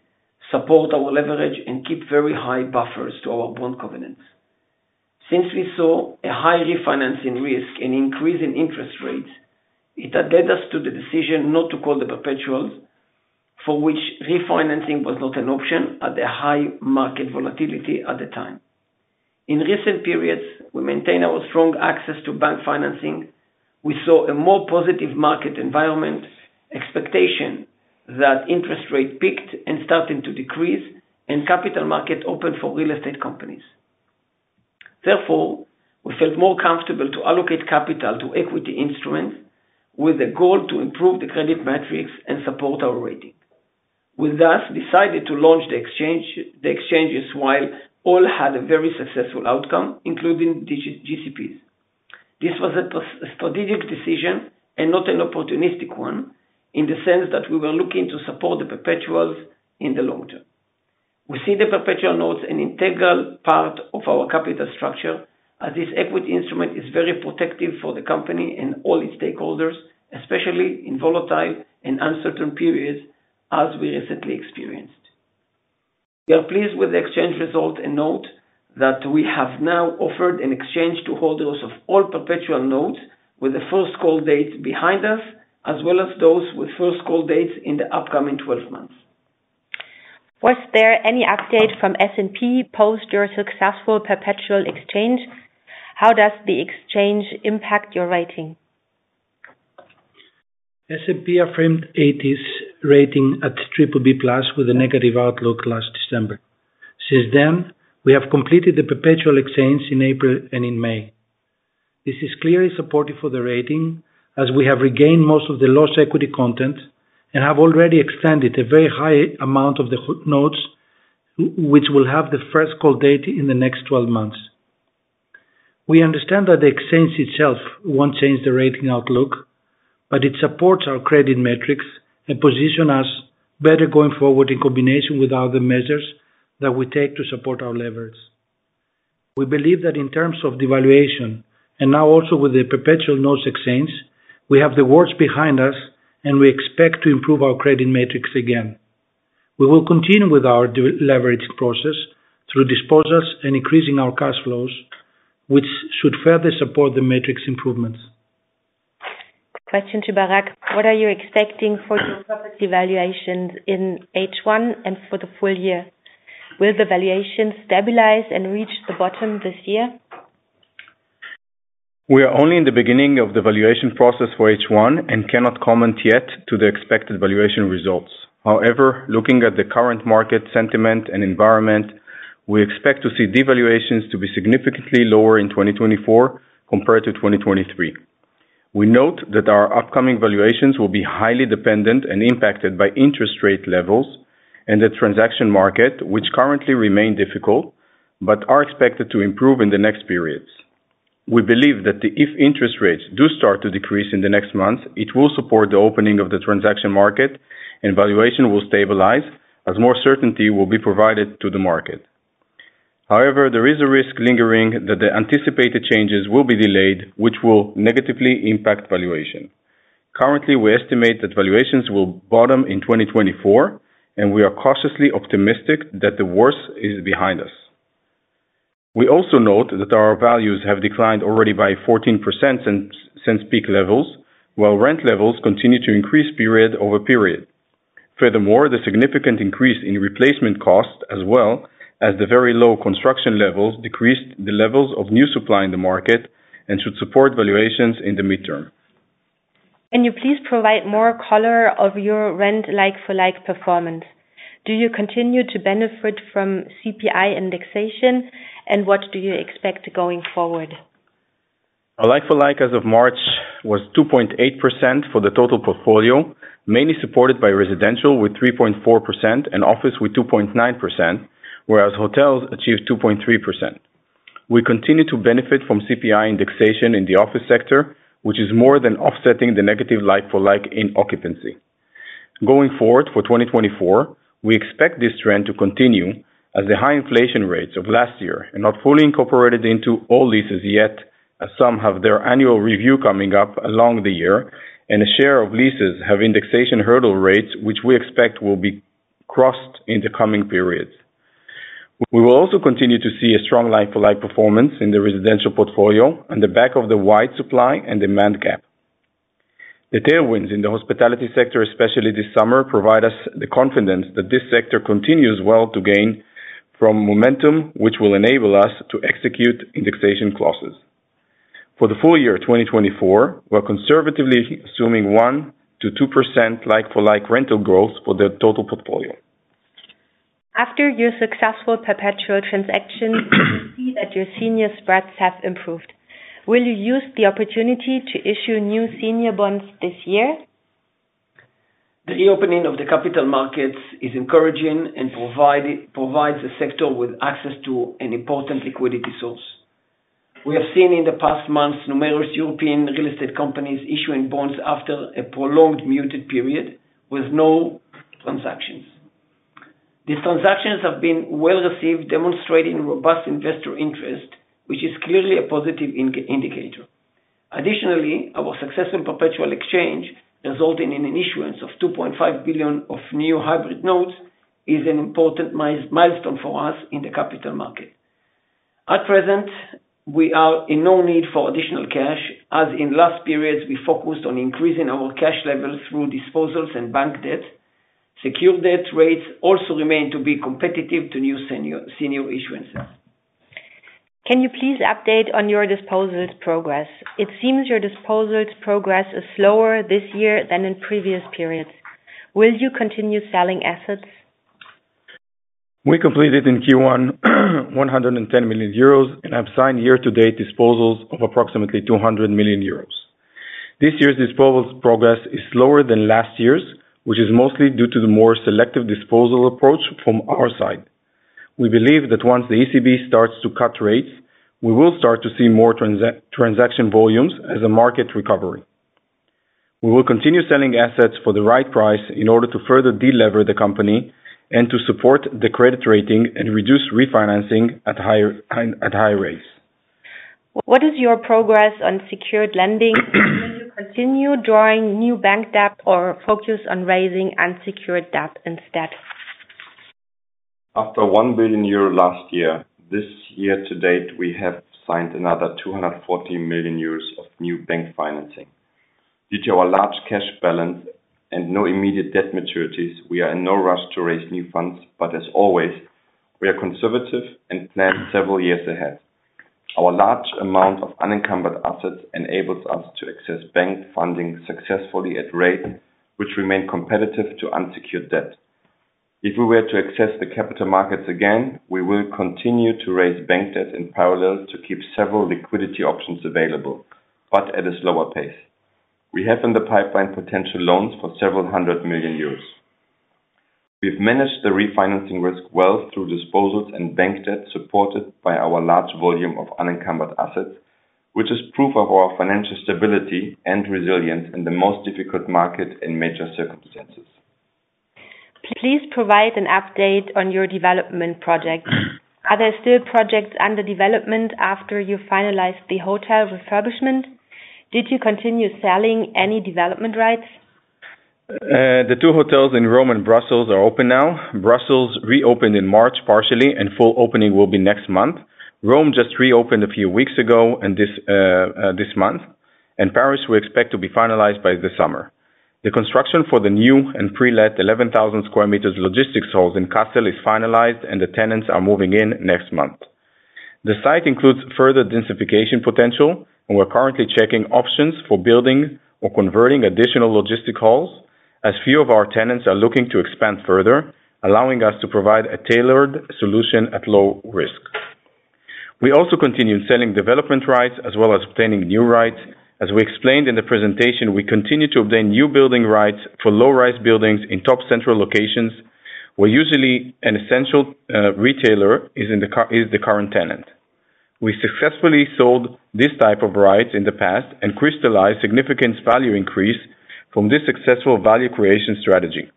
support our leverage, and keep very high buffers to our bond covenants. Since we saw a high refinancing risk and increase in interest rates, it added us to the decision not to call the perpetuals, for which refinancing was not an option at the high market volatility at the time. In recent periods, we maintain our strong access to bank financing. We saw a more positive market environment, expectation that interest rates peaked and starting to decrease, and capital markets opened for real estate companies. Therefore, we felt more comfortable to allocate capital to equity instruments with a goal to improve the credit metrics and support our rating. We, thus, decided to launch the exchange, the exchanges, while all had a very successful outcome, including the GCPs. This was a strategic decision and not an opportunistic one, in the sense that we were looking to support the perpetuals in the long term. We see the perpetual notes an integral part of our capital structure, as this equity instrument is very protective for the company and all its stakeholders, especially in volatile and uncertain periods, as we recently experienced. We are pleased with the exchange result and note that we have now offered an exchange to holders of all perpetual notes with the first call dates behind us, as well as those with first call dates in the upcoming 12 months. Was there any update from S&P post your successful perpetual exchange? How does the exchange impact your rating? S&P affirmed its rating at BBB+ with a negative outlook last December. Since then, we have completed the perpetual exchange in April and in May. This is clearly supportive for the rating, as we have regained most of the lost equity content and have already extended a very high amount of the hybrid notes, which will have the first call date in the next twelve months. We understand that the exchange itself won't change the rating outlook, but it supports our credit metrics and positions us better going forward in combination with other measures that we take to support our leverage. We believe that in terms of deleveraging, and now also with the perpetual notes exchange, we have the worst behind us, and we expect to improve our credit metrics again. We will continue with our de-leverage process through disposals and increasing our cash flows, which should further support the metrics improvements. Question to Barak. What are you expecting for your property valuations in H1 and for the full year? Will the valuation stabilize and reach the bottom this year? We are only in the beginning of the valuation process for H1, and cannot comment yet to the expected valuation results. However, looking at the current market sentiment and environment, we expect to see devaluations to be significantly lower in 2024 compared to 2023. We note that our upcoming valuations will be highly dependent and impacted by interest rate levels and the transaction market, which currently remain difficult, but are expected to improve in the next periods. We believe that if interest rates do start to decrease in the next month, it will support the opening of the transaction market, and valuation will stabilize as more certainty will be provided to the market. However, there is a risk lingering that the anticipated changes will be delayed, which will negatively impact valuation. Currently, we estimate that valuations will bottom in 2024, and we are cautiously optimistic that the worst is behind us. We also note that our values have declined already by 14% since peak levels, while rent levels continue to increase period over period. Furthermore, the significant increase in replacement costs, as well as the very low construction levels, decreased the levels of new supply in the market and should support valuations in the midterm. Can you please provide more color of your rent like-for-like performance? Do you continue to benefit from CPI indexation, and what do you expect going forward? Our like-for-like as of March, was 2.8% for the total portfolio, mainly supported by residential, with 3.4% and office with 2.9%, whereas hotels achieved 2.3%. We continue to benefit from CPI indexation in the office sector, which is more than offsetting the negative like-for-like in occupancy. Going forward for 2024, we expect this trend to continue as the high inflation rates of last year are not fully incorporated into all leases yet, as some have their annual review coming up along the year, and a share of leases have indexation hurdle rates, which we expect will be crossed in the coming periods. We will also continue to see a strong like-for-like performance in the residential portfolio on the back of the wide supply and demand gap. The tailwinds in the hospitality sector, especially this summer, provide us the confidence that this sector continues well to gain from momentum, which will enable us to execute indexation clauses. For the full year 2024, we're conservatively assuming 1%-2% like-for-like rental growth for the total portfolio. After your successful perpetual transaction, we see that your senior spreads have improved. Will you use the opportunity to issue new senior bonds this year? The opening of the capital markets is encouraging and provides the sector with access to an important liquidity source. We have seen in the past months, numerous European real estate companies issuing bonds after a prolonged muted period with no transactions. These transactions have been well received, demonstrating robust investor interest, which is clearly a positive indicator. Additionally, our success in perpetual exchange, resulting in an issuance of 2.5 billion of new hybrid notes, is an important milestone for us in the capital market. At present, we are in no need for additional cash, as in last periods we focused on increasing our cash levels through disposals and bank debt. Secured debt rates also remain to be competitive to new issuances. Can you please update on your disposals progress? It seems your disposals progress is slower this year than in previous periods. Will you continue selling assets? We completed in Q1 110 million euros, and have signed year-to-date disposals of approximately 200 million euros. This year's disposals progress is slower than last year's, which is mostly due to the more selective disposal approach from our side. We believe that once the ECB starts to cut rates, we will start to see more transaction volumes as a market recovery. We will continue selling assets for the right price in order to further de-lever the company and to support the credit rating and reduce refinancing at higher rates. What is your progress on secured lending? Will you continue drawing new bank debt or focus on raising unsecured debt instead? After 1 billion euro last year, this year to date, we have signed another 240 million euros of new bank financing. Due to our large cash balance and no immediate debt maturities, we are in no rush to raise new funds, but as always, we are conservative and plan several years ahead. Our large amount of unencumbered assets enables us to access bank funding successfully at rate, which remain competitive to unsecured debt. If we were to access the capital markets again, we will continue to raise bank debt in parallel to keep several liquidity options available, but at a slower pace. We have in the pipeline potential loans for several hundred million EUR. We've managed the refinancing risk well through disposals and bank debt, supported by our large volume of unencumbered assets, which is proof of our financial stability and resilience in the most difficult market and major circumstances. Please provide an update on your development project. Are there still projects under development after you finalized the hotel refurbishment? Did you continue selling any development rights? The two hotels in Rome and Brussels are open now. Brussels reopened in March, partially, and full opening will be next month. Rome just reopened a few weeks ago, and this month, and Paris we expect to be finalized by the summer. The construction for the new and pre-let 11,000 square meters logistics halls in Kassel is finalized, and the tenants are moving in next month. The site includes further densification potential, and we're currently checking options for building or converting additional logistic halls, as few of our tenants are looking to expand further, allowing us to provide a tailored solution at low risk. We also continued selling development rights as well as obtaining new rights. As we explained in the presentation, we continue to obtain new building rights for low-rise buildings in top central locations, where usually an essential retailer is the current tenant. We successfully sold this type of rights in the past and crystallized significant value increase from this successful value creation strategy.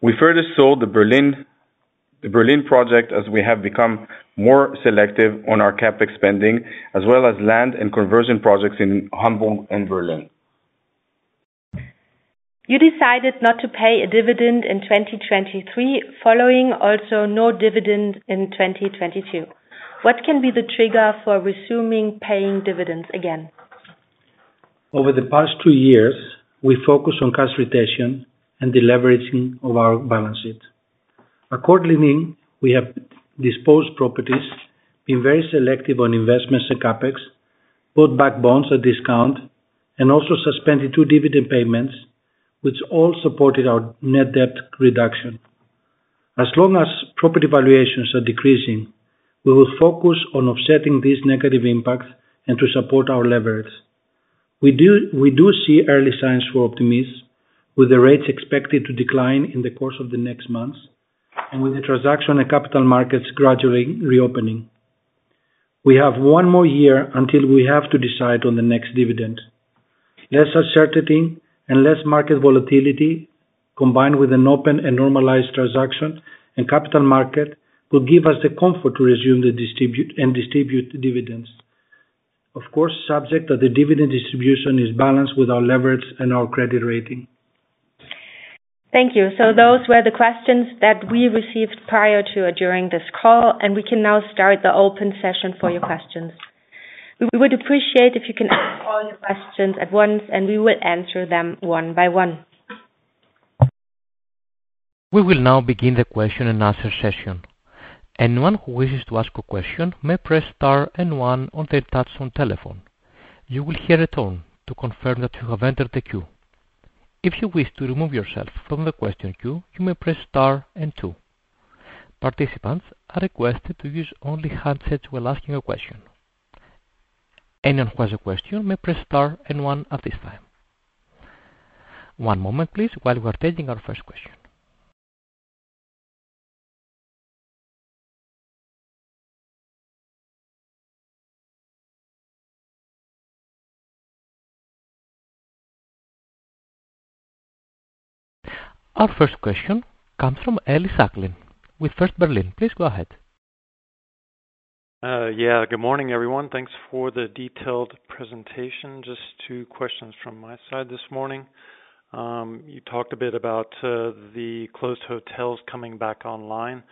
We further sold the Berlin project as we have become more selective on our CapEx spending, as well as land and conversion projects in Hamburg and Berlin. You decided not to pay a dividend in 2023, following also no dividend in 2022. What can be the trigger for resuming paying dividends again? Over the past two years, we focused on cash retention and deleveraging of our balance sheet. Accordingly, we have disposed properties, being very selective on investments and CapEx, bought back bonds at discount, and also suspended two dividend payments, which all supported our net debt reduction. As long as property valuations are decreasing, we will focus on offsetting these negative impacts and to support our leverage. We do, we do see early signs for optimism, with the rates expected to decline in the course of the next months and with the transaction and capital markets gradually reopening. We have one more year until we have to decide on the next dividend. Less uncertainty and less market volatility, combined with an open and normalized transaction and capital market, will give us the comfort to resume the distribute and distribute dividends. Of course, subject of the dividend distribution is balanced with our leverage and our credit rating. Thank you. Those were the questions that we received prior to or during this call, and we can now start the open session for your questions. We would appreciate if you can ask all your questions at once, and we will answer them one by one. We will now begin the question-and-answer session. Anyone who wishes to ask a question may press star and one on their touchtone telephone. You will hear a tone to confirm that you have entered the queue. If you wish to remove yourself from the question queue, you may press star and two. Participants are requested to use only handsets while asking a question. Anyone who has a question may press star and one at this time. One moment, please, while we are taking our first question. Our first question comes from Ellis Acklin with First Berlin. Please go ahead. Yeah, good morning, everyone. Thanks for the detailed presentation. Just two questions from my side this morning. You talked a bit about the closed hotels coming back online.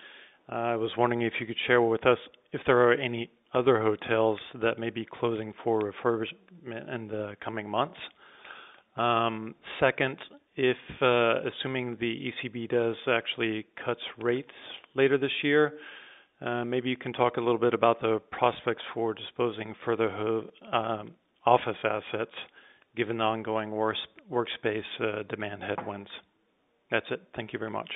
I was wondering if you could share with us if there are any other hotels that may be closing for refurbishment in the coming months. Second, if assuming the ECB does actually cuts rates later this year, maybe you can talk a little bit about the prospects for disposing further office assets, given the ongoing workspace demand headwinds. That's it. Thank you very much.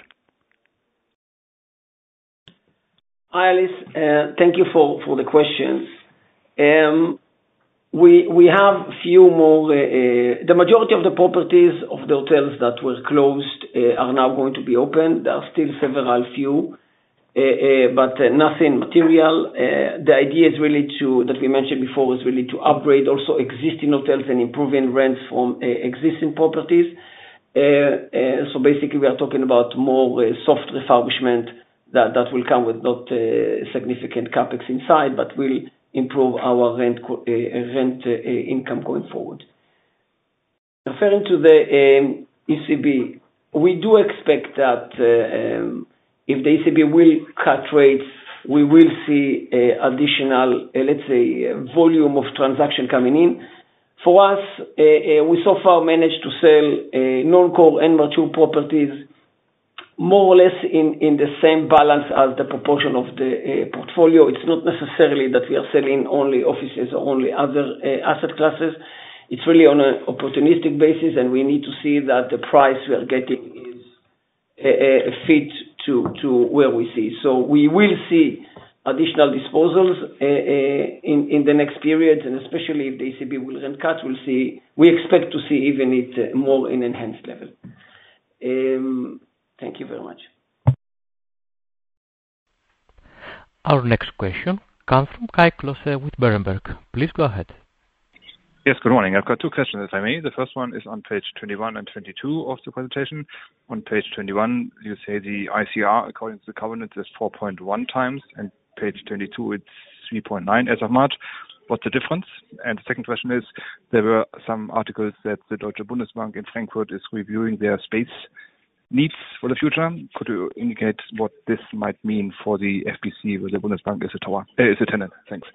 Hi, Ellis, thank you for the questions. We have few more. The majority of the properties of the hotels that were closed are now going to be opened. There are still several, few, but nothing material. The idea is really, that we mentioned before, is really to upgrade also existing hotels and improving rents from existing properties. So basically, we are talking about more soft refurbishment that will come with not significant CapEx inside, but will improve our rent income going forward. Referring to the ECB, we do expect that if the ECB will cut rates, we will see additional, let's say, volume of transaction coming in. For us, we so far managed to sell non-core and mature properties more or less in the same balance as the proportion of the portfolio. It's not necessarily that we are selling only offices or only other asset classes.... It's really on an opportunistic basis, and we need to see that the price we are getting is a fit to where we see. So we will see additional disposals in the next period, and especially if the ECB will then cut, we'll see—we expect to see even it more in enhanced level. Thank you very much. Our next question comes from Kai Klose with Berenberg. Please go ahead. Yes, good morning. I've got two questions, if I may. The first one is on page 21 and 22 of the presentation. On page 21, you say the ICR, according to the covenant, is 4.1 times, and page 22, it's 3.9 as of March. What's the difference? And the second question is, there were some articles that the Deutsche Bundesbank in Frankfurt is reviewing their space needs for the future. Could you indicate what this might mean for the FBC, where the Bundesbank is a tower, is a tenant? Thanks.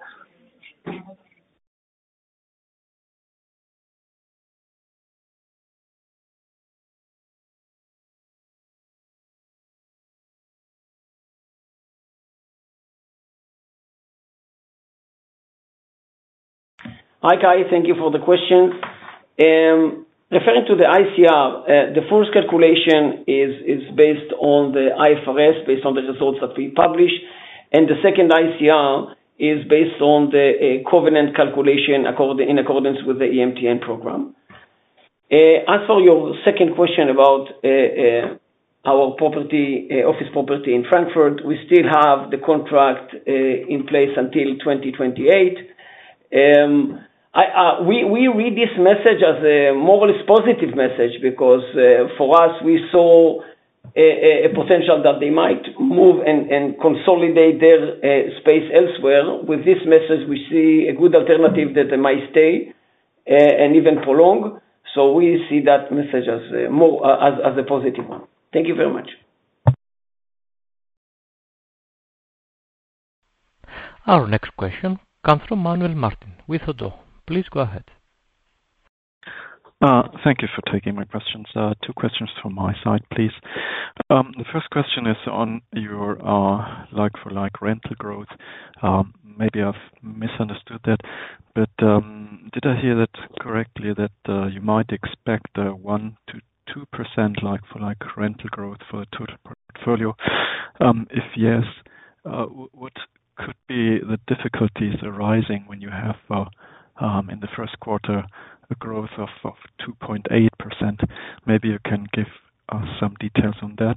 Hi, Kai. Thank you for the question. Referring to the ICR, the first calculation is, is based on the IFRS, based on the results that we published, and the second ICR is based on the, covenant calculation according, in accordance with the EMTN program. As for your second question about, our property, office property in Frankfurt, we still have the contract, in place until 2028. I, we, we read this message as a more or less positive message because, for us, we saw a, a potential that they might move and, and consolidate their, space elsewhere. With this message, we see a good alternative that they might stay, and even prolong. So we see that message as, more, as, as a positive one. Thank you very much. Our next question comes from Manuel Martin with Oddo. Please go ahead. Thank you for taking my questions. Two questions from my side, please. The first question is on your like-for-like rental growth. Maybe I've misunderstood that, but did I hear that correctly that you might expect a 1%-2% like-for-like rental growth for total portfolio? If yes, what could be the difficulties arising when you have in the first quarter, a growth of 2.8%? Maybe you can give us some details on that.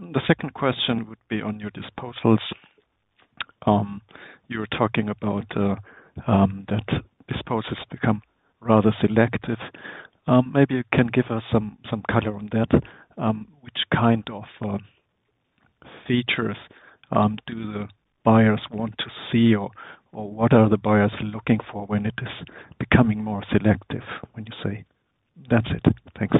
The second question would be on your disposals. You were talking about that disposals become rather selective. Maybe you can give us some color on that. Which kind of features do the buyers want to see? Or what are the buyers looking for when it is becoming more selective, when you say? That's it. Thanks.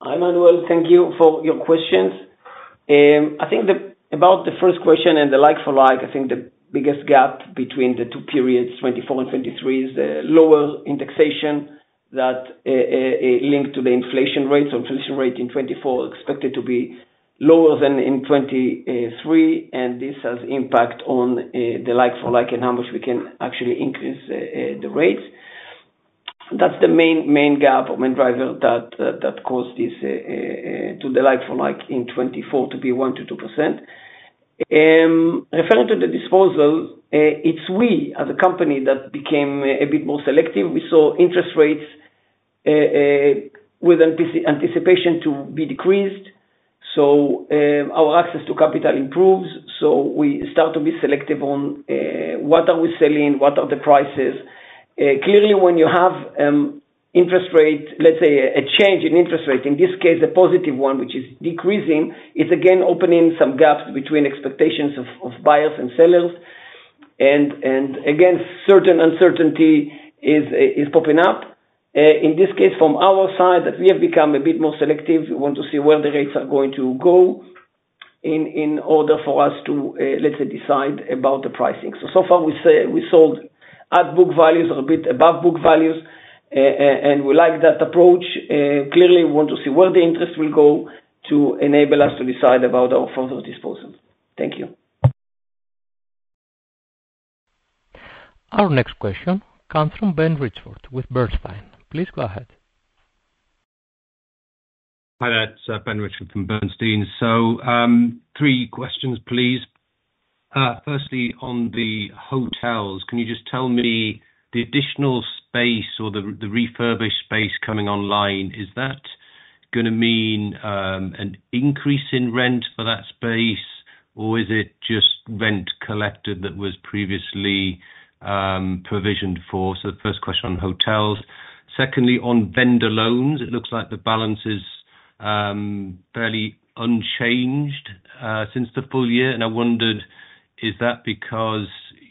Hi, Manuel, thank you for your questions. I think about the first question and the like-for-like, I think the biggest gap between the two periods, 2024 and 2023, is the lower indexation that linked to the inflation rate. So inflation rate in 2024 are expected to be lower than in 2023, and this has impact on the like-for-like and how much we can actually increase the rates. That's the main gap or main driver that caused this to the like-for-like in 2024 to be 1%-2%. Referring to the disposals, it's we, as a company, that became a bit more selective. We saw interest rates with anticipation to be decreased, so our access to capital improves, so we start to be selective on what are we selling, what are the prices. Clearly, when you have interest rate, let's say, a change in interest rate, in this case, a positive one, which is decreasing, it's again opening some gaps between expectations of buyers and sellers. And again, certain uncertainty is popping up. In this case, from our side, that we have become a bit more selective. We want to see where the rates are going to go in order for us to, let's say, decide about the pricing. So far we say we sold at book values or a bit above book values, and we like that approach. Clearly, we want to see where the interest will go to enable us to decide about our further disposals. Thank you. Our next question comes from Ben Richford with Bernstein. Please go ahead. Hi there, it's Ben Richford from Bernstein. So, three questions, please. Firstly, on the hotels, can you just tell me the additional space or the, the refurbished space coming online, is that gonna mean an increase in rent for that space, or is it just rent collected that was previously provisioned for? So the first question on hotels. Secondly, on vendor loans, it looks like the balance is fairly unchanged since the full year. And I wondered, is that because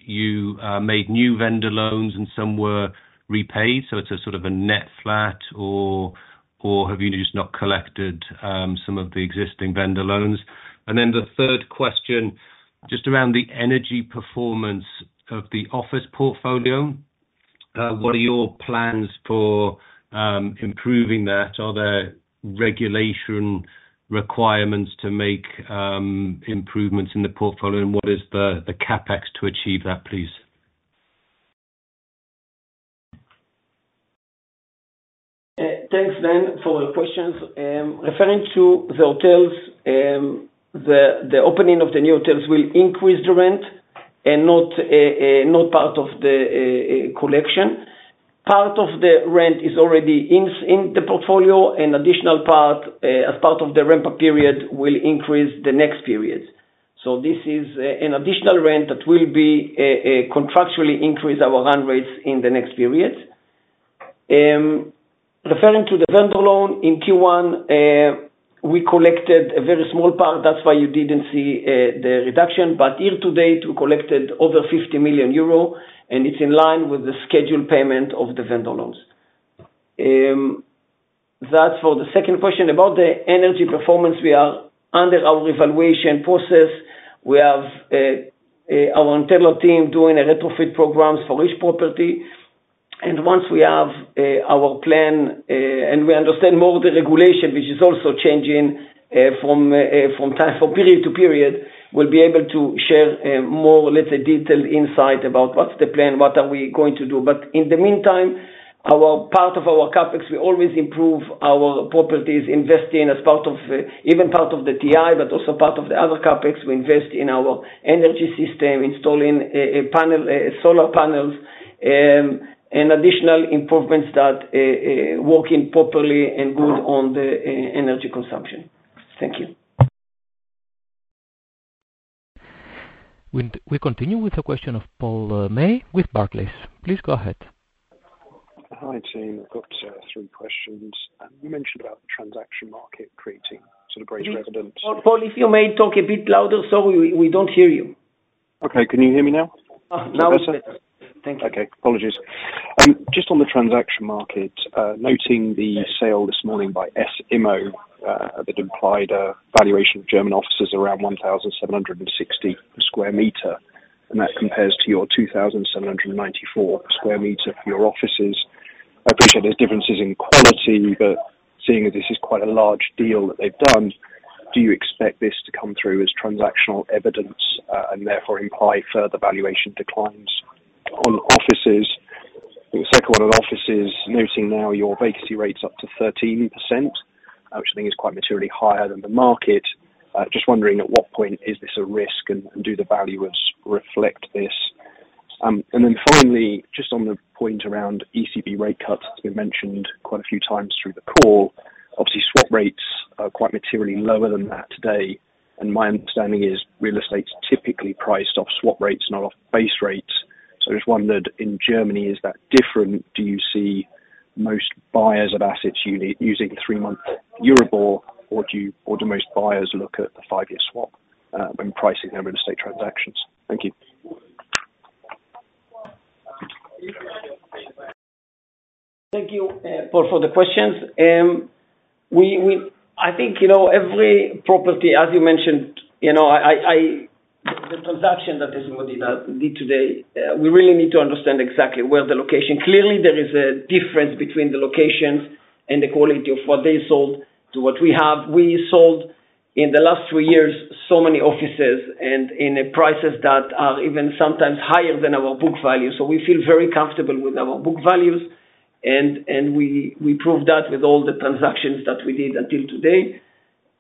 you made new vendor loans and some were repaid, so it's a sort of a net flat, or, or have you just not collected some of the existing vendor loans? And then the third question, just around the energy performance of the office portfolio. What are your plans for improving that? Are there regulatory requirements to make improvements in the portfolio, and what is the CapEx to achieve that, please? Thanks, Ben, for your questions. Referring to the hotels, the opening of the new hotels will increase the rent and not part of the collection. Part of the rent is already in the portfolio, an additional part as part of the ramp-up period, will increase the next period. So this is an additional rent that will be contractually increase our run rates in the next period. Referring to the vendor loan, in Q1 we collected a very small part, that's why you didn't see the reduction, but year to date, we collected over 50 million euro, and it's in line with the scheduled payment of the vendor loans. That's for the second question. About the energy performance, we are under our evaluation process. We have our internal team doing a retrofit programs for each property, and once we have our plan, and we understand more of the regulation, which is also changing, from time, from period to period, we'll be able to share more, let's say, detailed insight about what's the plan, what are we going to do. But in the meantime, our part of our CapEx, we always improve our properties, investing as part of, even part of the TI, but also part of the other CapEx, we invest in our energy system, installing a panel, solar panels, and additional improvements that working properly and good on the energy consumption. Thank you. We continue with the question of Paul May with Barclays. Please go ahead. Hi, team. I've got three questions. You mentioned about the transaction market creating sort of great resonance- Paul, Paul, if you may talk a bit louder so... we don't hear you. Okay. Can you hear me now? Now it's better. Okay, apologies. Just on the transaction market, noting the sale this morning by S IMMO, that implied a valuation of German offices around 1,760 sq m, and that compares to your 2,794 sq m for your offices. I appreciate there's differences in quality, but seeing that this is quite a large deal that they've done, do you expect this to come through as transactional evidence, and therefore imply further valuation declines on offices? The second one on offices, noting now your vacancy rates up to 13%, which I think is quite materially higher than the market. Just wondering at what point is this a risk and, and do the valuers reflect this? And then finally, just on the point around ECB rate cuts, you mentioned quite a few times through the call, obviously, swap rates are quite materially lower than that today, and my understanding is real estate's typically priced off swap rates, not off base rates. So I just wondered, in Germany, is that different? Do you see most buyers of assets using three-month Euribor, or do you or do most buyers look at the five-year swap when pricing their real estate transactions? Thank you. Thank you, Paul, for the questions. We—I think, you know, every property, as you mentioned, you know, the transaction that did today, we really need to understand exactly where the location. Clearly, there is a difference between the locations and the quality of what they sold to what we have. We sold, in the last three years, so many offices and in the prices that are even sometimes higher than our book value. So we feel very comfortable with our book values, and we proved that with all the transactions that we did until today.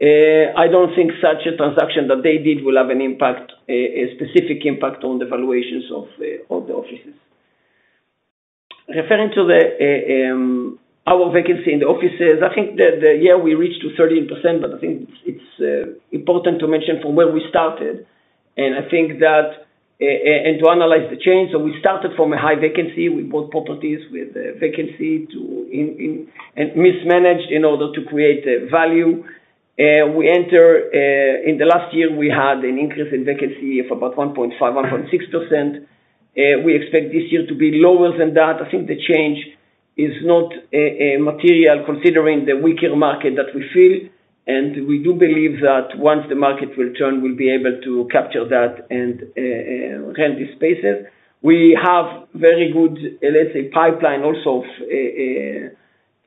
I don't think such a transaction that they did will have an impact, a specific impact on the valuations of the offices. Referring to our vacancy in the offices, I think that we reached 13%, but I think it's important to mention from where we started, and to analyze the change, so we started from a high vacancy. We bought properties with a vacancy and mismanaged in order to create value. In the last year, we had an increase in vacancy of about 1.5-1.6%. We expect this year to be lower than that. I think the change is not a material, considering the weaker market that we feel, and we do believe that once the market will turn, we'll be able to capture that and rent the spaces. We have very good, let's say, pipeline also of,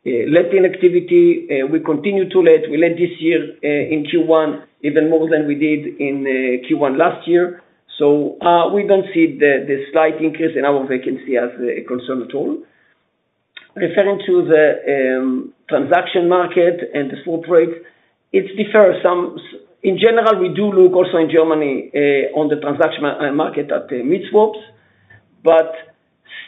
letting activity. We continue to let. We let this year, in Q1, even more than we did in, Q1 last year. So, we don't see the, the slight increase in our vacancy as a concern at all. Referring to the, transaction market and the swap rate, it differs. In general, we do look also in Germany, on the transaction market at the mid-swaps, but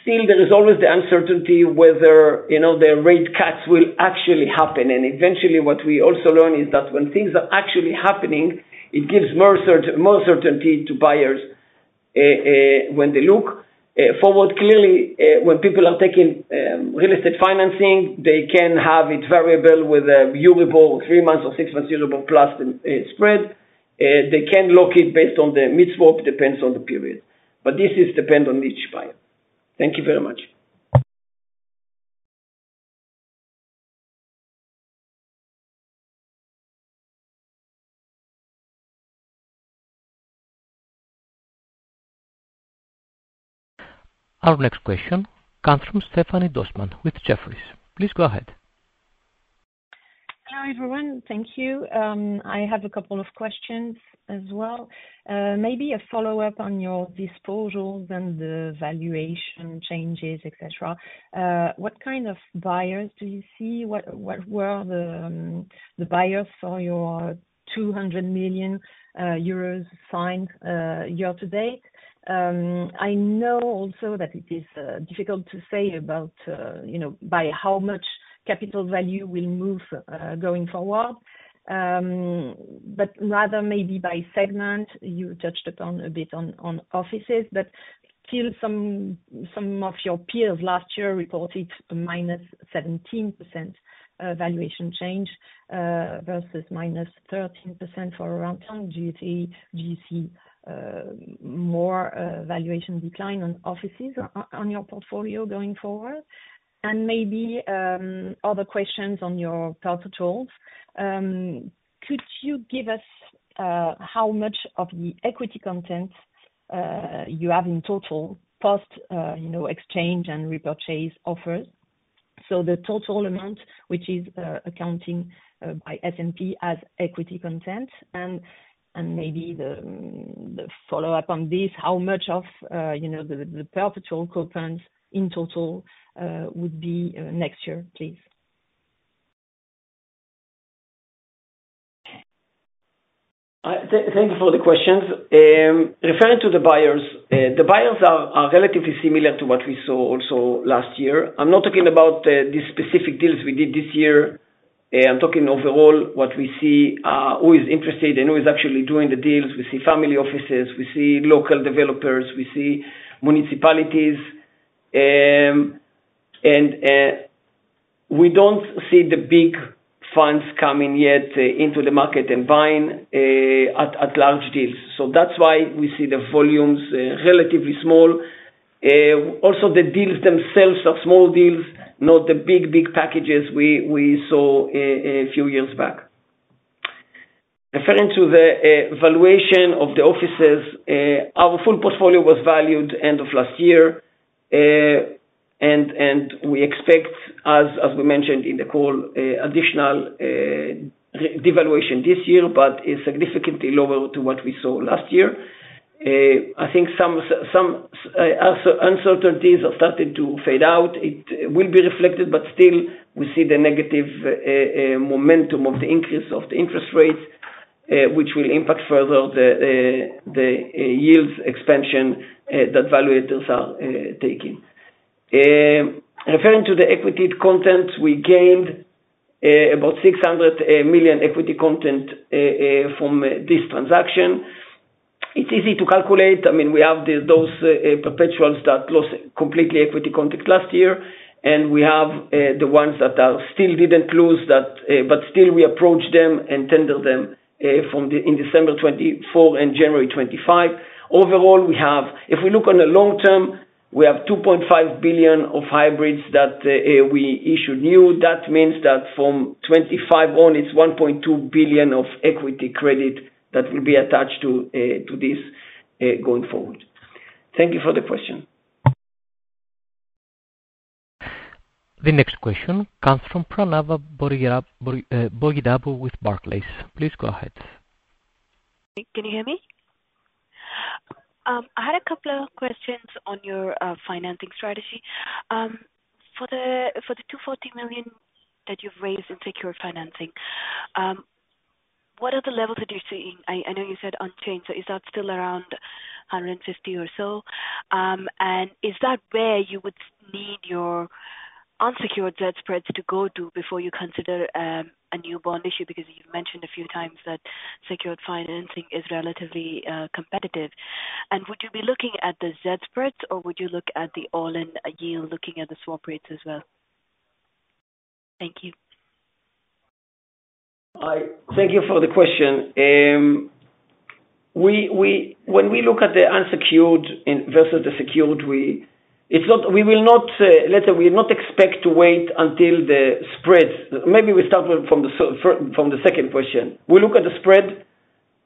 still there is always the uncertainty whether, you know, the rate cuts will actually happen. And eventually, what we also learn is that when things are actually happening, it gives more certainty to buyers, when they look, forward. Clearly, when people are taking real estate financing, they can have it variable with a Euribor, three months or six months Euribor plus spread. They can lock it based on the mid-swap, depends on the period, but this is depend on each buyer. Thank you very much.... Our next question comes from Stephanie Dossmann with Jefferies. Please go ahead. Hi, everyone. Thank you. I have a couple of questions as well. Maybe a follow-up on your disposals and the valuation changes, et cetera. What kind of buyers do you see? What were the buyers for your 200 million euros signed year to date? I know also that it is difficult to say about, you know, by how much capital value will move going forward. But rather maybe by segment, you touched upon a bit on offices, but still some of your peers last year reported -17% valuation change versus -13% for Aroundtown. Do you see more valuation decline on offices on your portfolio going forward? And maybe other questions on your perpetual. Could you give us how much of the equity content you have in total post you know exchange and repurchase offers? So the total amount, which is accounting by S&P as equity content, and maybe the follow-up on this, how much of you know the perpetual coupons in total would be next year, please? Thank you for the questions. Referring to the buyers, the buyers are relatively similar to what we saw also last year. I'm not talking about the specific deals we did this year, I'm talking overall what we see, who is interested and who is actually doing the deals. We see family offices, we see local developers, we see municipalities, and we don't see the big funds coming yet into the market and buying at large deals. So that's why we see the volumes relatively small. Also, the deals themselves are small deals, not the big packages we saw a few years back. Referring to the valuation of the offices, our full portfolio was valued end of last year. We expect, as we mentioned in the call, additional revaluation this year, but is significantly lower to what we saw last year. I think some uncertainties are starting to fade out. It will be reflected, but still we see the negative momentum of the increase of the interest rates, which will impact further the yields expansion that valuators are taking. Referring to the equity content, we gained about 600 million equity content from this transaction. It's easy to calculate. I mean, we have the, those, perpetuals that lost completely equity content last year, and we have, the ones that are still didn't close that, but still we approach them and tender them, from the, in December 2024 and January 2025. Overall, we have. If we look on the long term, we have 2.5 billion of hybrids that, we issued new. That means that from 2025 on, it's 1.2 billion of equity credit that will be attached to, to this, going forward. Thank you for the question. The next question comes from Pranava Boyidapu with Barclays. Please go ahead. Can you hear me? I had a couple of questions on your, financing strategy. For the, for the 240 million that you've raised in secured financing, what are the levels that you're seeing? I, I know you said unchanged, so is that still around 150 or so? And is that where you would need your unsecured debt spreads to go to before you consider, a new bond issue? Because you've mentioned a few times that secured financing is relatively, competitive. And would you be looking at the Z-spreads, or would you look at the all-in yield, looking at the swap rates as well? Thank you. I thank you for the question. When we look at the unsecured versus the secured, we will not, let's say, expect to wait until the spreads. Maybe we start from the second question. We look at the spread,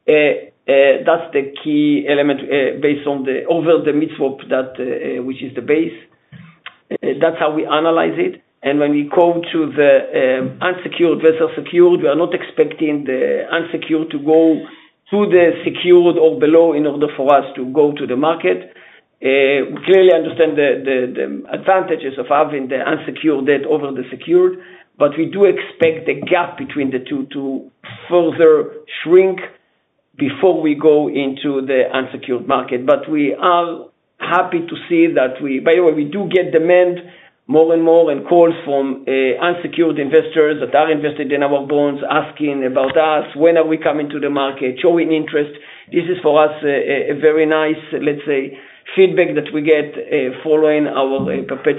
that's the key element, based on the over the mid-swap that which is the base. That's how we analyze it, and when we go to the unsecured versus secured, we are not expecting the unsecured to go to the secured or below in order for us to go to the market. We clearly understand the advantages of having the unsecured debt over the secured, but we do expect the gap between the two to further shrink before we go into the unsecured market. But we are happy to see that we, by the way, we do get demand more and more and calls from, unsecured investors that are invested in our bonds, asking about us, when are we coming to the market, showing interest. This is, for us, a, a very nice, let's say, feedback that we get, following our, perpetual-